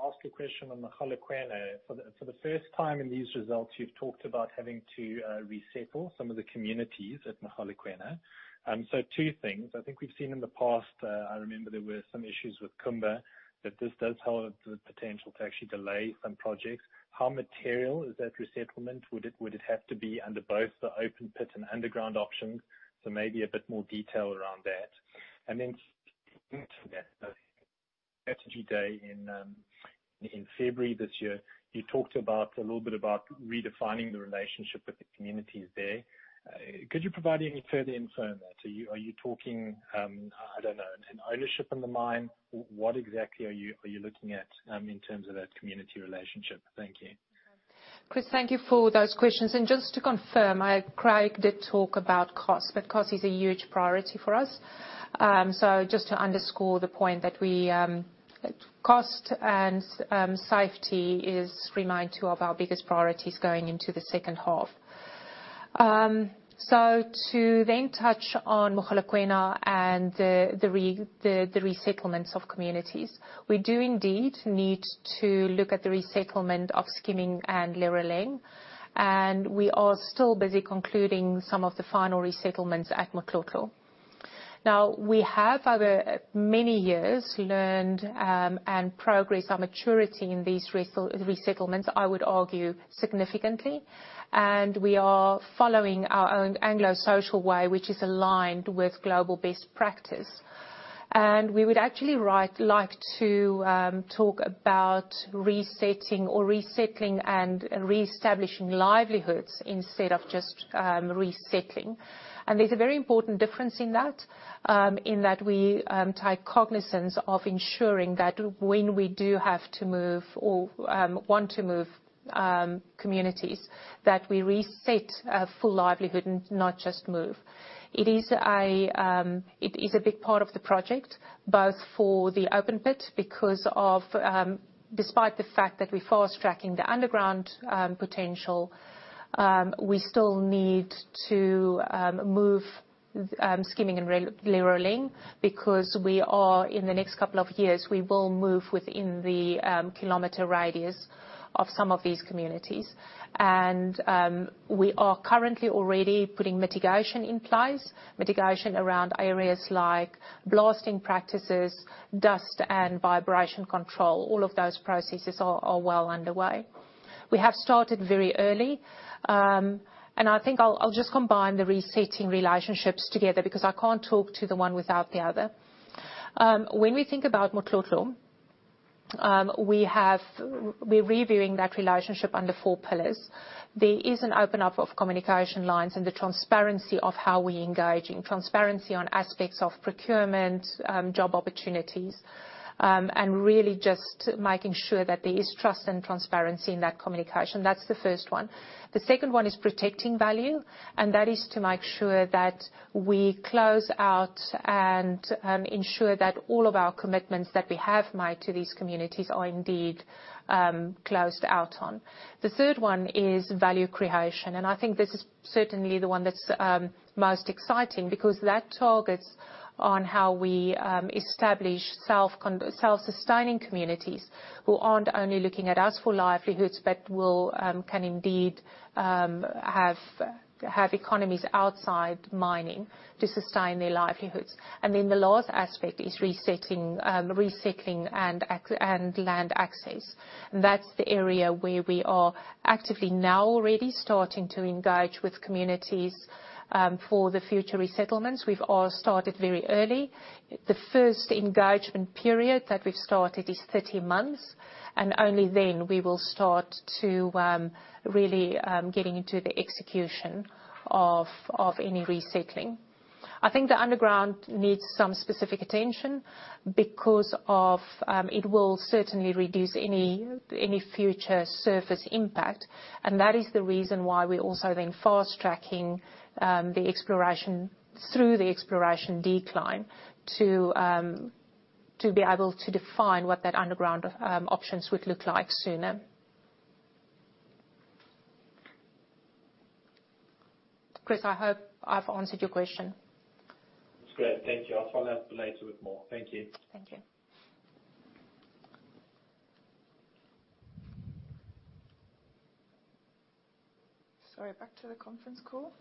ask a question on Mogalakwena? For the 1st time in these results, you've talked about having to resettle some of the communities at Mogalakwena. Two things. I think we've seen in the past, I remember there were some issues with Ga-Pila, that this does hold the potential to actually delay some projects. How material is that resettlement? Would it have to be under both the open pit and underground options? So maybe a bit more detail around that. Strategy day in February this year, you talked a little bit about redefining the relationship with the communities there. Could you provide any further info on that? Are you talking, I don't know, an ownership in the mine? What exactly are you looking at in terms of that community relationship? Thank you. Chris, thank you for those questions. Just to confirm, Craig did talk about cost, but cost is a huge priority for us. Just to underscore the point, that cost and safety is remain two of our biggest priorities going into the second half. To touch on Mogalakwena and the resettlements of communities, we do indeed need to look at the resettlement of Skimming and Leruleng. We are still busy concluding some of the final resettlements at Motlotlho. Now, we have, over many years, learned, and progressed our maturity in these resettlements, I would argue, significantly. We are following our own Anglo American Social Way, which is aligned with global best practice. We would actually like to talk about resetting or resettling and reestablishing livelihoods instead of just resettling. There's a very important difference in that, in that we take cognizance of ensuring that when we do have to move or want to move communities, that we reset a full livelihood and not just move. It is a big part of the project, both for the open pit because despite the fact that we're fast-tracking the underground potential, we still need to move Skimming and Leruleng because in the next couple of years, we will move within the kilometer radius of some of these communities. We are currently already putting mitigation in place, mitigation around areas like blasting practices, dust and vibration control. All of those processes are well underway. We have started very early. I think I'll just combine the resetting relationships together because I can't talk to the one without the other. When we think about Motlotlho, we're reviewing that relationship under four pillars. There is an opening up of communication lines and the transparency of how we engage. Transparency on aspects of procurement, job opportunities, and really just making sure that there is trust and transparency in that communication. That's the first one. The second one is protecting value, and that is to make sure that we close out and ensure that all of our commitments that we have made to these communities are indeed closed out on. The third one is value creation, and I think this is certainly the one that's most exciting because that targets on how we establish self-sustaining communities who aren't only looking at us for livelihoods, but can indeed have economies outside mining to sustain their livelihoods. The last aspect is resetting, resettling and land access. That's the area where we are actively now already starting to engage with communities for the future resettlements. We've all started very early. The first engagement period that we've started is 30 months. Only then we will start to really get into the execution of any resettling. I think the underground needs some specific attention because it will certainly reduce any future surface impact. That is the reason why we're also then fast-tracking the exploration through the exploration decline to be able to define what that underground options would look like sooner. Chris, I hope I've answered your question. That's great. Thank you. I'll follow up later with more. Thank you. Thank you. Sorry, back to the conference call.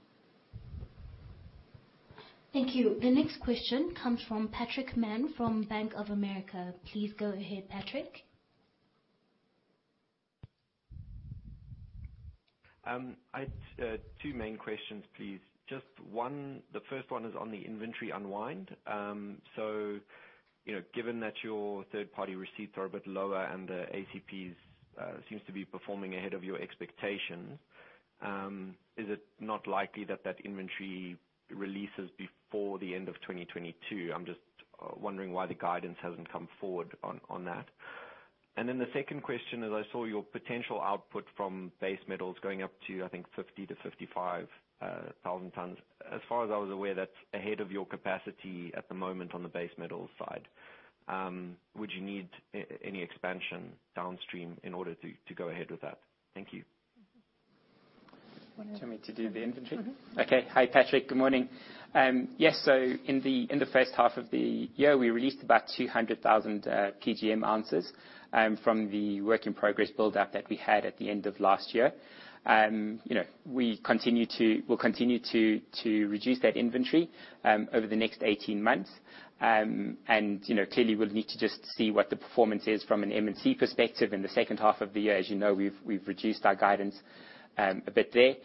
Thank you. The next question comes from Patrick Mann from Bank of America. Please go ahead, Patrick. I had two main questions, please. Just one, the first one is on the inventory unwind. Given that your third-party receipts are a bit lower and the ACPs seems to be performing ahead of your expectations, is it not likely that that inventory releases before the end of 2022? I'm just wondering why the guidance hasn't come forward on that. The second question is, I saw your potential output from base metals going up to, I think, 50,000-55,000 tons. As far as I was aware, that's ahead of your capacity at the moment on the base metal side. Would you need any expansion downstream in order to go ahead with that? Thank you. Why don't you- Do you want me to do the inventory? Okay. Hi, Patrick. Good morning. Yes, in the first half of the year, we released about 200,000 PGM ounces from the work-in-progress buildup that we had at the end of last year. We'll continue to reduce that inventory over the next 18 months. Clearly, we'll need to just see what the performance is from an M&C perspective in the second half of the year. As you know, we've reduced our guidance a bit there.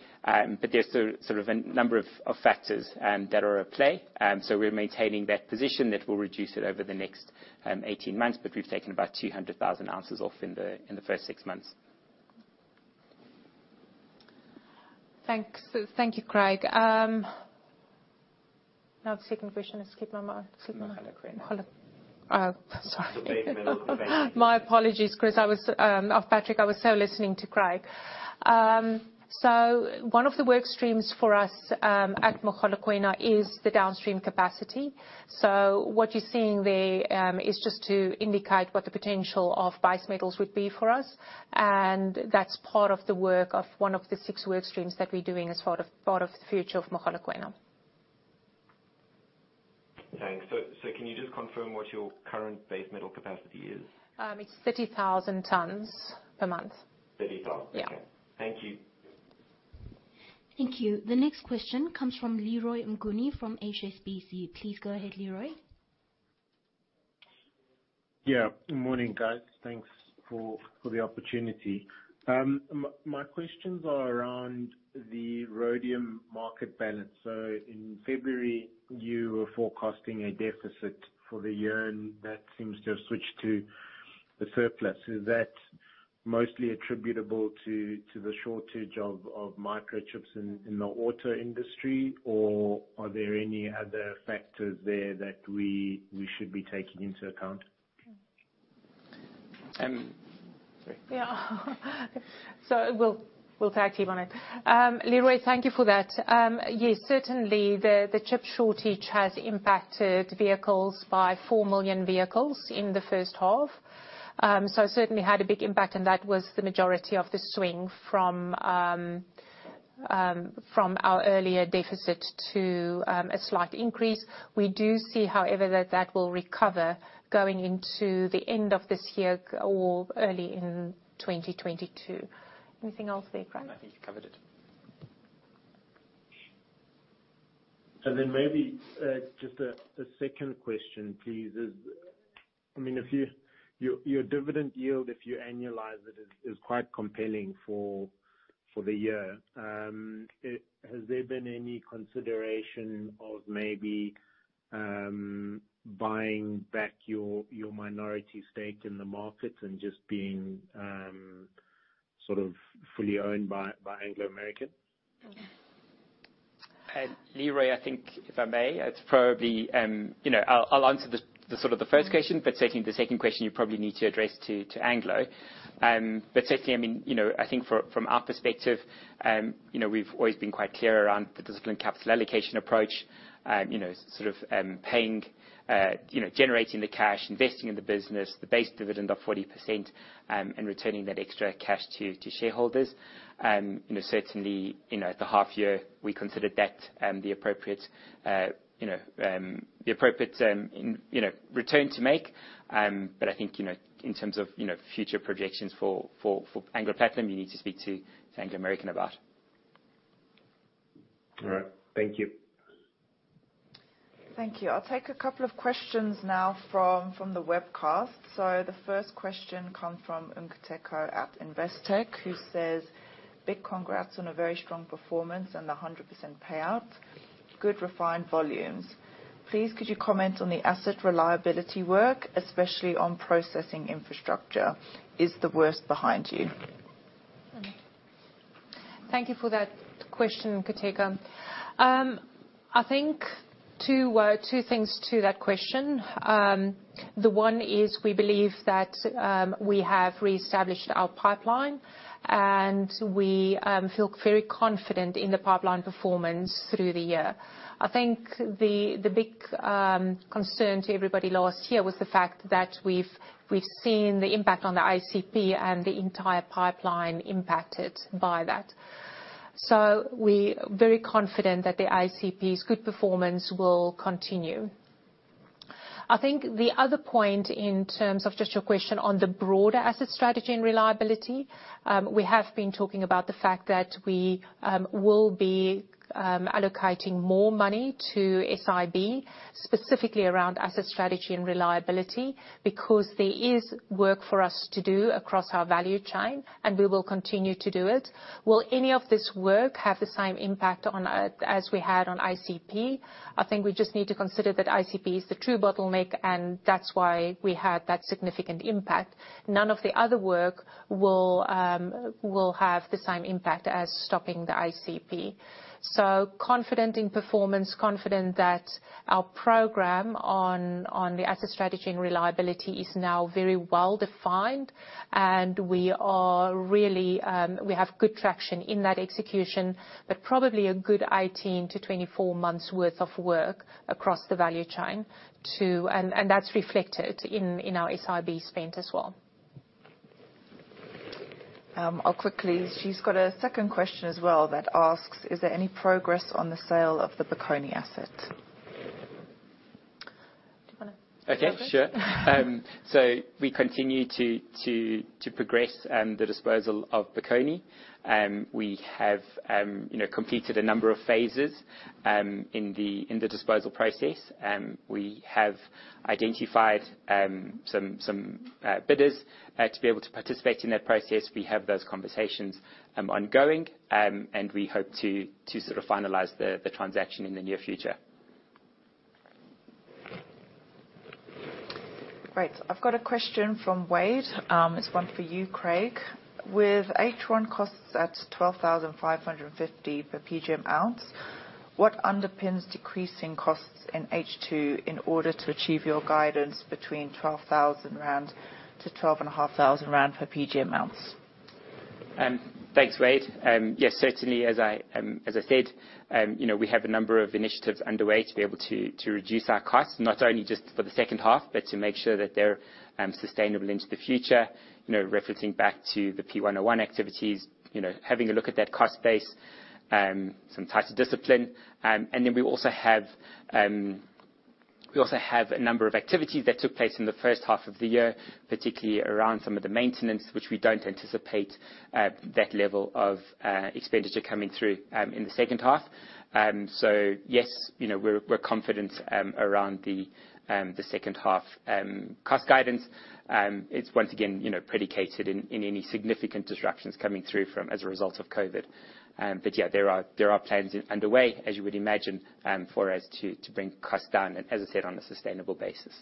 There's sort of a number of factors that are at play. We're maintaining that position that we'll reduce it over the next 18 months, but we've taken about 200,000 ounces off in the first six months. Thank you, Craig. Now, the second question, skip my mic. Mogalakwena. Oh, sorry. The base metal. My apologies, Chris. Patrick, I was so listening to Craig. One of the work streams for us, at Mogalakwena is the downstream capacity. What you're seeing there is just to indicate what the potential of base metals would be for us, and that's part of the work of one of the six work streams that we're doing as part of the future of Mogalakwena. Thanks. Can you just confirm what your current base metal capacity is? It's 30,000 tons per month. 30,000. Yeah. Okay. Thank you. Thank you. The next question comes from Leroy Mnguni from HSBC. Please go ahead, Leroy. Good morning, guys. Thanks for the opportunity. My questions are around the rhodium market balance. In February, you were forecasting a deficit for the year, and that seems to have switched to the surplus. Is that mostly attributable to the shortage of microchips in the auto industry, or are there any other factors there that we should be taking into account? Sorry. Yeah. We'll take you on it. Leroy, thank you for that. Yes, certainly, the chip shortage has impacted vehicles by 4 million vehicles in the first half. Certainly had a big impact, and that was the majority of the swing from our earlier deficit to a slight increase. We do see, however, that that will recover going into the end of this year or early in 2022. Anything else there, Craig? No, I think you covered it. Maybe, just a second question, please is, your dividend yield, if you annualize it, is quite compelling for the year. Has there been any consideration of maybe buying back your minority stake in the market and just being sort of fully owned by Anglo American? Yeah. Leroy, I think, if I may, I'll answer the first question. Certainly the second question you probably need to address to Anglo. Certainly, I think from our perspective, we've always been quite clear around the disciplined capital allocation approach, sort of generating the cash, investing in the business, the base dividend of 40%, and returning that extra cash to shareholders. Certainly, at the half year, we considered that the appropriate return to make. I think, in terms of future projections for Anglo Platinum, you need to speak to Anglo American about. All right. Thank you. Thank you. I'll take a couple of questions now from the webcast. The first question come from Nkateko Mathonsi at Investec, who says, "Big congrats on a very strong performance and the 100% payout. Good refined volumes. Please could you comment on the asset reliability work, especially on processing infrastructure. Is the worst behind you? Thank you for that question, Nkateko. I think two things to that question. The one is we believe that we have reestablished our pipeline, and we feel very confident in the pipeline performance through the year. I think the big concern to everybody last year was the fact that we've seen the impact on the ICP and the entire pipeline impacted by that. We're very confident that the ACP's good performance will continue. I think the other point in terms of just your question on the broader asset strategy and reliability, we have been talking about the fact that we will be allocating more money to SIB, specifically around asset strategy and reliability because there is work for us to do across our value chain, and we will continue to do it. Will any of this work have the same impact as we had on ICP? I think we just need to consider that ICP is the true bottleneck and that's why we had that significant impact. None of the other work will have the same impact as stopping the ICP. Confident in performance, confident that our program on the asset strategy and reliability is now very well-defined, and we have good traction in that execution, but probably a good 18 to 24 months worth of work across the value chain, and that's reflected in our SIB spend as well. I'll quickly, she's got a second question as well that asks, "Is there any progress on the sale of the Bokoni asset? Do you want to take that? We continue to progress the disposal of Bokoni. We have completed a number of phases in the disposal process. We have identified some bidders to be able to participate in that process. We have those conversations ongoing, and we hope to finalize the transaction in the near future. Great. I've got a question from Wade. It's one for you, Craig. With H1 costs at 12,550 per PGM ounce, what underpins decreasing costs in H2 in order to achieve your guidance between 12,000-12,500 rand per PGM ounce? Thanks, Wade. Yes, certainly, as I said, we have a number of initiatives underway to be able to reduce our costs, not only just for the second half, but to make sure that they're sustainable into the future. Referencing back to the P101 activities, having a look at that cost base, some tighter discipline. We also have a number of activities that took place in the first half of the year, particularly around some of the maintenance, which we don't anticipate that level of expenditure coming through in the second half. Yes, we're confident around the second half cost guidance. It's once again predicated in any significant disruptions coming through as a result of COVID-19. Yeah, there are plans underway, as you would imagine, for us to bring costs down and, as I said, on a sustainable basis.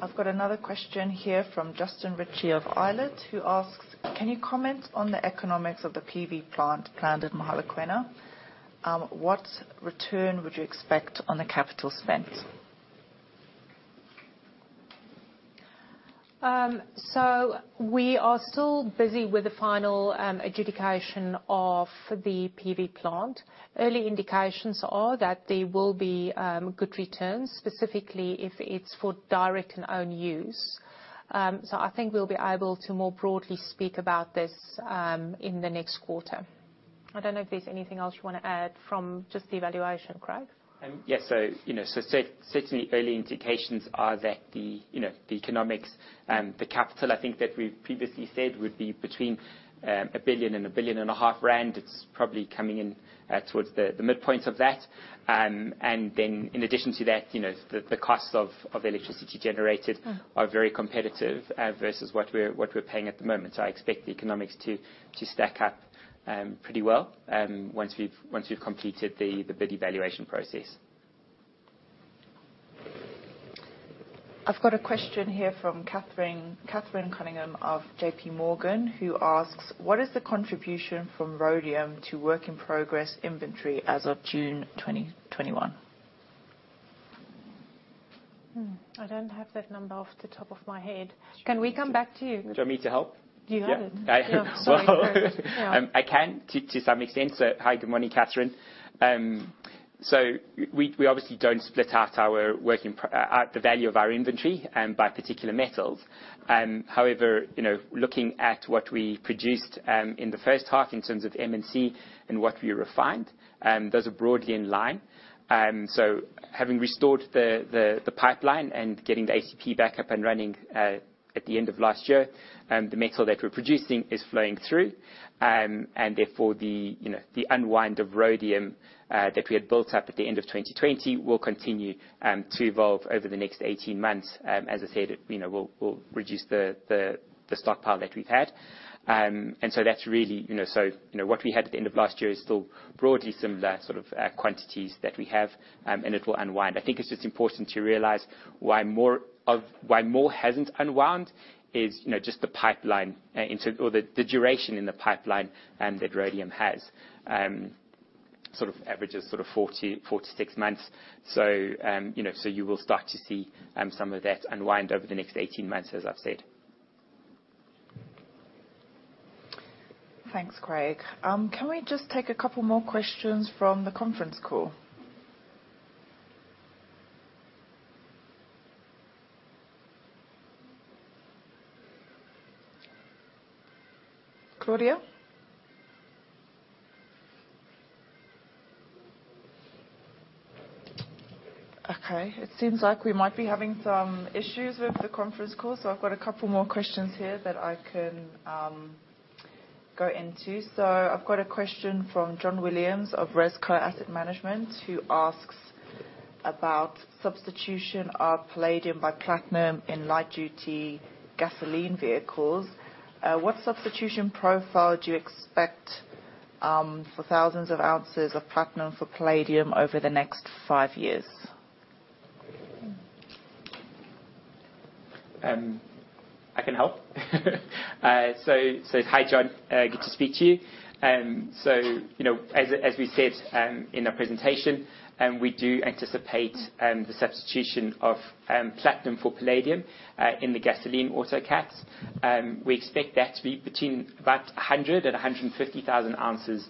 I've got another question here from Justin Froneman of Exane, who asks, "Can you comment on the economics of the PV plant planned at Mogalakwena? What return would you expect on the capital spent? We are still busy with the final adjudication of the PV plant. Early indications are that there will be good returns, specifically if it's for direct and own use. I think we'll be able to more broadly speak about this in the next quarter. I don't know if there's anything else you want to add from just the evaluation, Craig. Yes. Certainly early indications are that the economics, the capital I think that we've previously said would be between 1 billion and 1.5 billion. It's probably coming in towards the midpoint of that. In addition to that, the cost of electricity generated are very competitive versus what we're paying at the moment. I expect the economics to stack up pretty well once we've completed the bid evaluation process. I've got a question here from Catherine Cunningham of JPMorgan, who asks, "What is the contribution from rhodium to work in progress inventory as of June 2021? I don't have that number off the top of my head. Can we come back to you? Do you want me to help? You have it. Well I can, to some extent. Hi, good morning, Catherine. We obviously don't split out the value of our inventory by particular metals. However, looking at what we produced in the first half in terms of M&C and what we refined, those are broadly in line. Having restored the pipeline and getting the ACP back up and running at the end of last year, the metal that we're producing is flowing through. Therefore the unwind of rhodium that we had built up at the end of 2020 will continue to evolve over the next 18 months. As I said, we'll reduce the stockpile that we've had. What we had at the end of last year is still broadly similar sort of quantities that we have, and it will unwind. I think it's just important to realize why more hasn't unwound is just the duration in the pipeline that rhodium has. Sort of averages four to six months. You will start to see some of that unwind over the next 18 months, as I've said. Thanks, Craig. Can we just take a couple more questions from the conference call? Claudia? It seems like we might be having some issues with the conference call. I've got a couple more questions here that I can go into. I've got a question from John Williams of Rezco Asset Management, who asks about substitution of palladium by platinum in light-duty gasoline vehicles. "What substitution profile do you expect for thousands of ounces of platinum for palladium over the next five years? I can help. Hi, John. Good to speak to you. As we said in our presentation, we do anticipate the substitution of platinum for palladium in the gasoline autocats. We expect that to be between about 100,000 and 150,000 ounces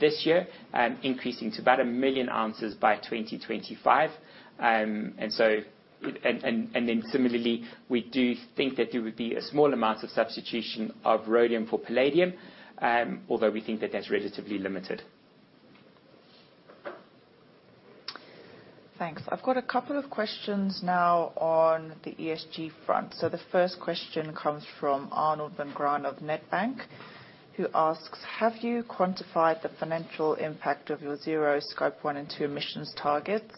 this year, increasing to about 1 million ounces by 2025. Similarly, we do think that there would be a small amount of substitution of rhodium for palladium, although we think that that's relatively limited. Thanks. I've got a couple of questions now on the ESG front. The first question comes from Arnold Van Graan of Nedbank, who asks, "Have you quantified the financial impact of your zero Scope 1 and 2 emissions targets?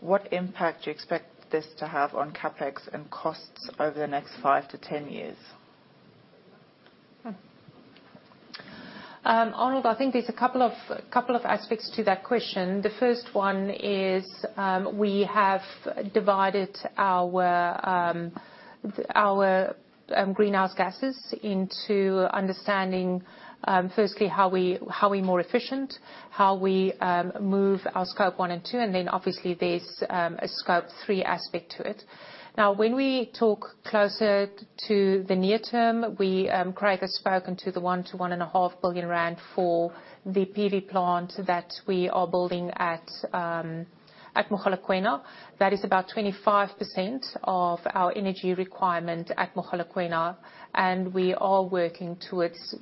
What impact do you expect this to have on CapEx and costs over the next five to 10 years? Arnold, I think there is a couple of aspects to that question. The first one is, we have divided our greenhouse gases into understanding, firstly, how are we more efficient, how we move our Scope 1 and 2. Obviously there is a Scope 3 aspect to it. When we talk closer to the near term, Craig has spoken to the 1 billion-1.5 billion rand for the PV plant that we are building at Mogalakwena. That is about 25% of our energy requirement at Mogalakwena. We are working towards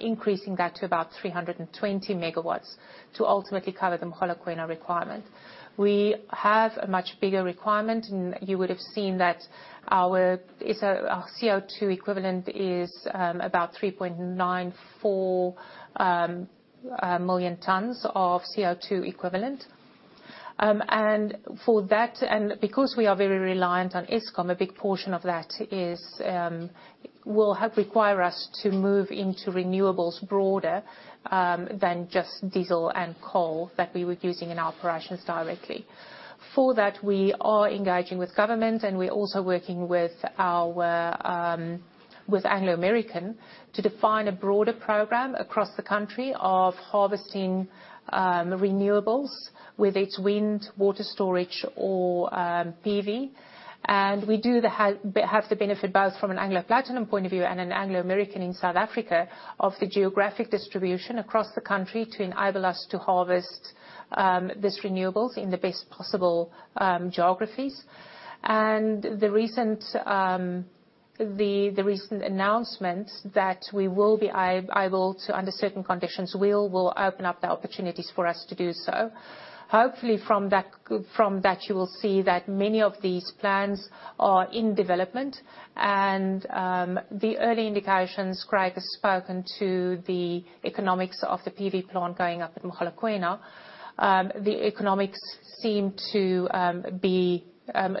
increasing that to about 320 MW to ultimately cover the Mogalakwena requirement. We have a much bigger requirement. You would have seen that our CO2 equivalent is about 3.94 million tons of CO2 equivalent. Because we are very reliant on Eskom, a big portion of that will require us to move into renewables broader than just diesel and coal that we were using in our operations directly. For that, we are engaging with government, and we're also working with Anglo American to define a broader program across the country of harvesting renewables, whether it's wind, water storage or PV. We do have the benefit, both from an Anglo Platinum point of view and an Anglo American in South Africa, of the geographic distribution across the country to enable us to harvest these renewables in the best possible geographies. The recent announcements that we will be able to, under certain conditions, will open up the opportunities for us to do so. Hopefully, from that you will see that many of these plans are in development. The early indications, Craig has spoken to the economics of the PV plant going up at Mogalakwena. The economics seem to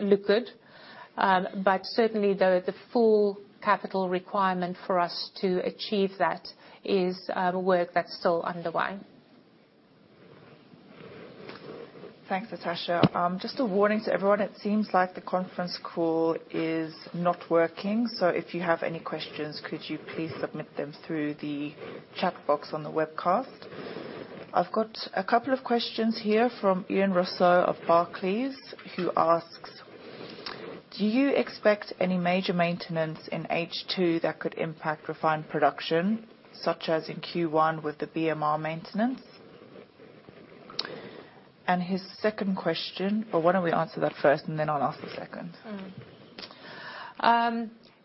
look good. Certainly, though, the full capital requirement for us to achieve that is work that's still underway. Thanks, Natascha. Just a warning to everyone. It seems like the conference call is not working, so if you have any questions, could you please submit them through the chat box on the webcast. I've got a couple of questions here from Ian Rossouw of Barclays, who asks, "Do you expect any major maintenance in H2 that could impact refined production, such as in Q1 with the BMR maintenance?" His second question, well, why don't we answer that first, and then I'll ask the second.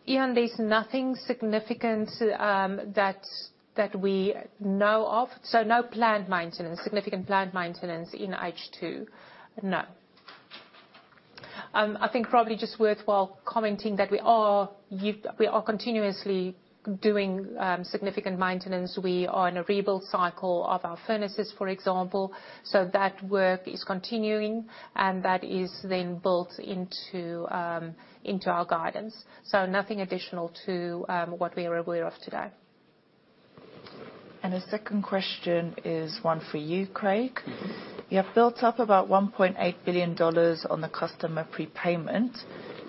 Ian, there's nothing significant that we know of. No significant planned maintenance in H2. No. I think probably just worthwhile commenting that we are continuously doing significant maintenance. We are in a rebuild cycle of our furnaces, for example. That work is continuing, and that is then built into our guidance. Nothing additional to what we are aware of today. The second question is one for you, Craig. You have built up about ZAR 1.8 billion on the customer prepayment.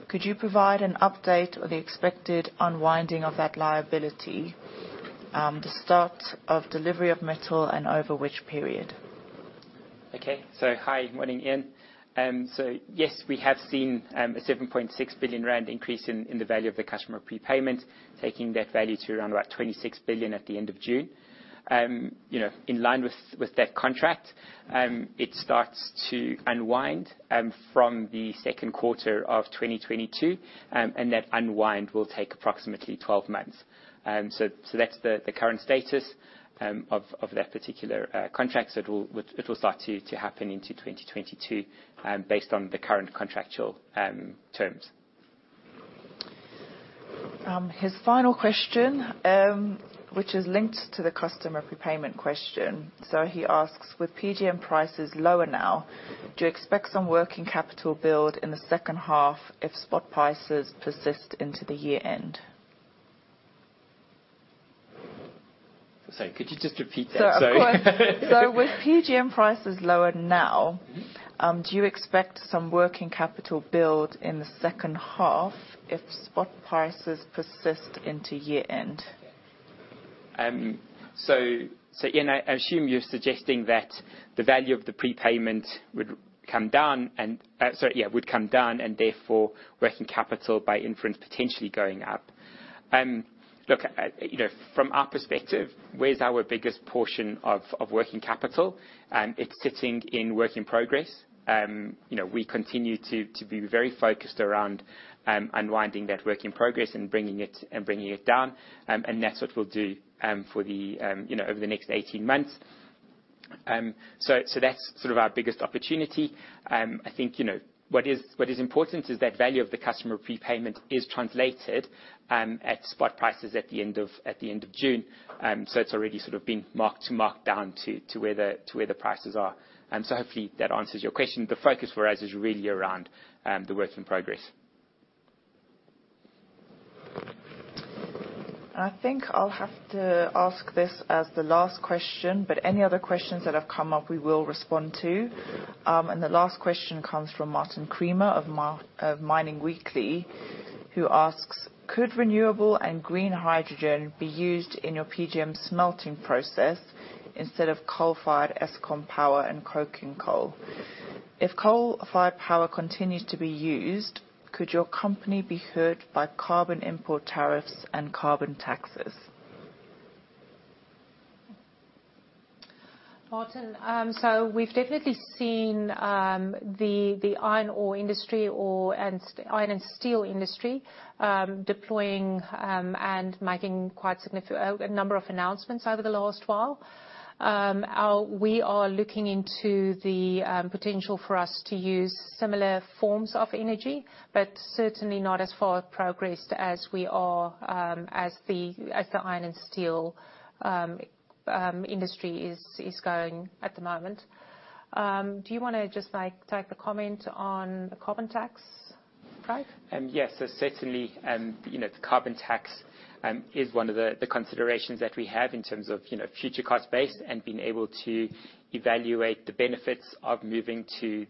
Could you provide an update on the expected unwinding of that liability, the start of delivery of metal, and over which period? Okay. Hi, good morning, Ian. Yes, we have seen a 7.6 billion rand increase in the value of the customer prepayment, taking that value to around about 26 billion at the end of June. In line with that contract, it starts to unwind from the second quarter of 2022, and that unwind will take approximately 12 months. That's the current status of that particular contract. It will start to happen into 2022 based on the current contractual terms. His final question, which is linked to the customer prepayment question. He asks, "With PGM prices lower now, do you expect some working capital build in the second half if spot prices persist into the year-end? Sorry, could you just repeat that? With PGM prices lower now, do you expect some working capital build in the second half if spot prices persist into year-end? Ian, I assume you're suggesting that the value of the prepayment would come down, and therefore working capital by inference, potentially going up. From our perspective, where's our biggest portion of working capital? It's sitting in work in progress. We continue to be very focused around unwinding that work in progress and bringing it down. That's what we'll do over the next 18 months. That's sort of our biggest opportunity. I think what is important is that value of the customer prepayment is translated at spot prices at the end of June. It's already sort of been marked to mark-down to where the prices are. Hopefully that answers your question. The focus for us is really around the work in progress. I think I'll have to ask this as the last question, but any other questions that have come up, we will respond to. The last question comes from Martin Creamer of Mining Weekly, who asks, "Could renewable and green hydrogen be used in your PGM smelting process instead of coal-fired Eskom power and coking coal? If coal-fired power continues to be used, could your company be hurt by carbon import tariffs and carbon taxes? Martin, we've definitely seen the iron ore industry and iron and steel industry deploying and making quite a number of announcements over the last while. We are looking into the potential for us to use similar forms of energy, but certainly not as far progressed as we are, as the iron and steel industry is going at the moment. Do you want to just take a comment on the carbon tax, Craig? Yes. Certainly, the carbon tax is one of the considerations that we have in terms of future cost base and being able to evaluate the benefits of moving to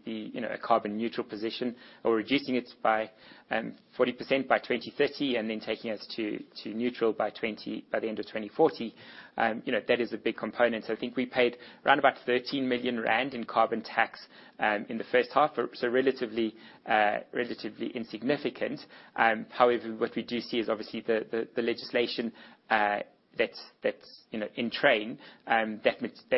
a carbon neutral position or reducing it by 40% by 2030 and then taking us to neutral by the end of 2040. That is a big component. I think we paid around about 13 million rand in carbon tax in the first half, so relatively insignificant. However, what we do see is obviously the legislation that's in train,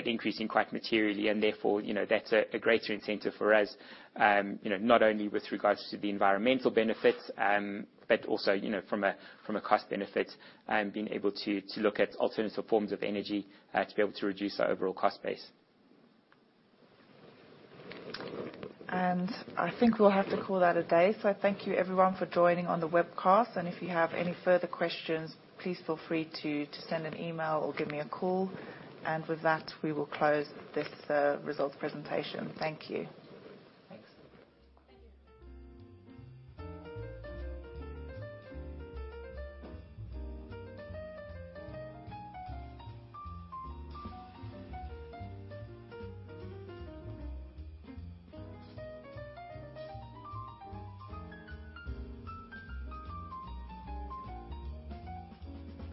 increasing quite materially and therefore, that's a greater incentive for us, not only with regards to the environmental benefits, but also from a cost benefit, being able to look at alternative forms of energy to be able to reduce our overall cost base. I think we'll have to call that a day. Thank you everyone for joining on the webcast. If you have any further questions, please feel free to send an email or give me a call. With that, we will close this results presentation. Thank you. Thanks. Thank you.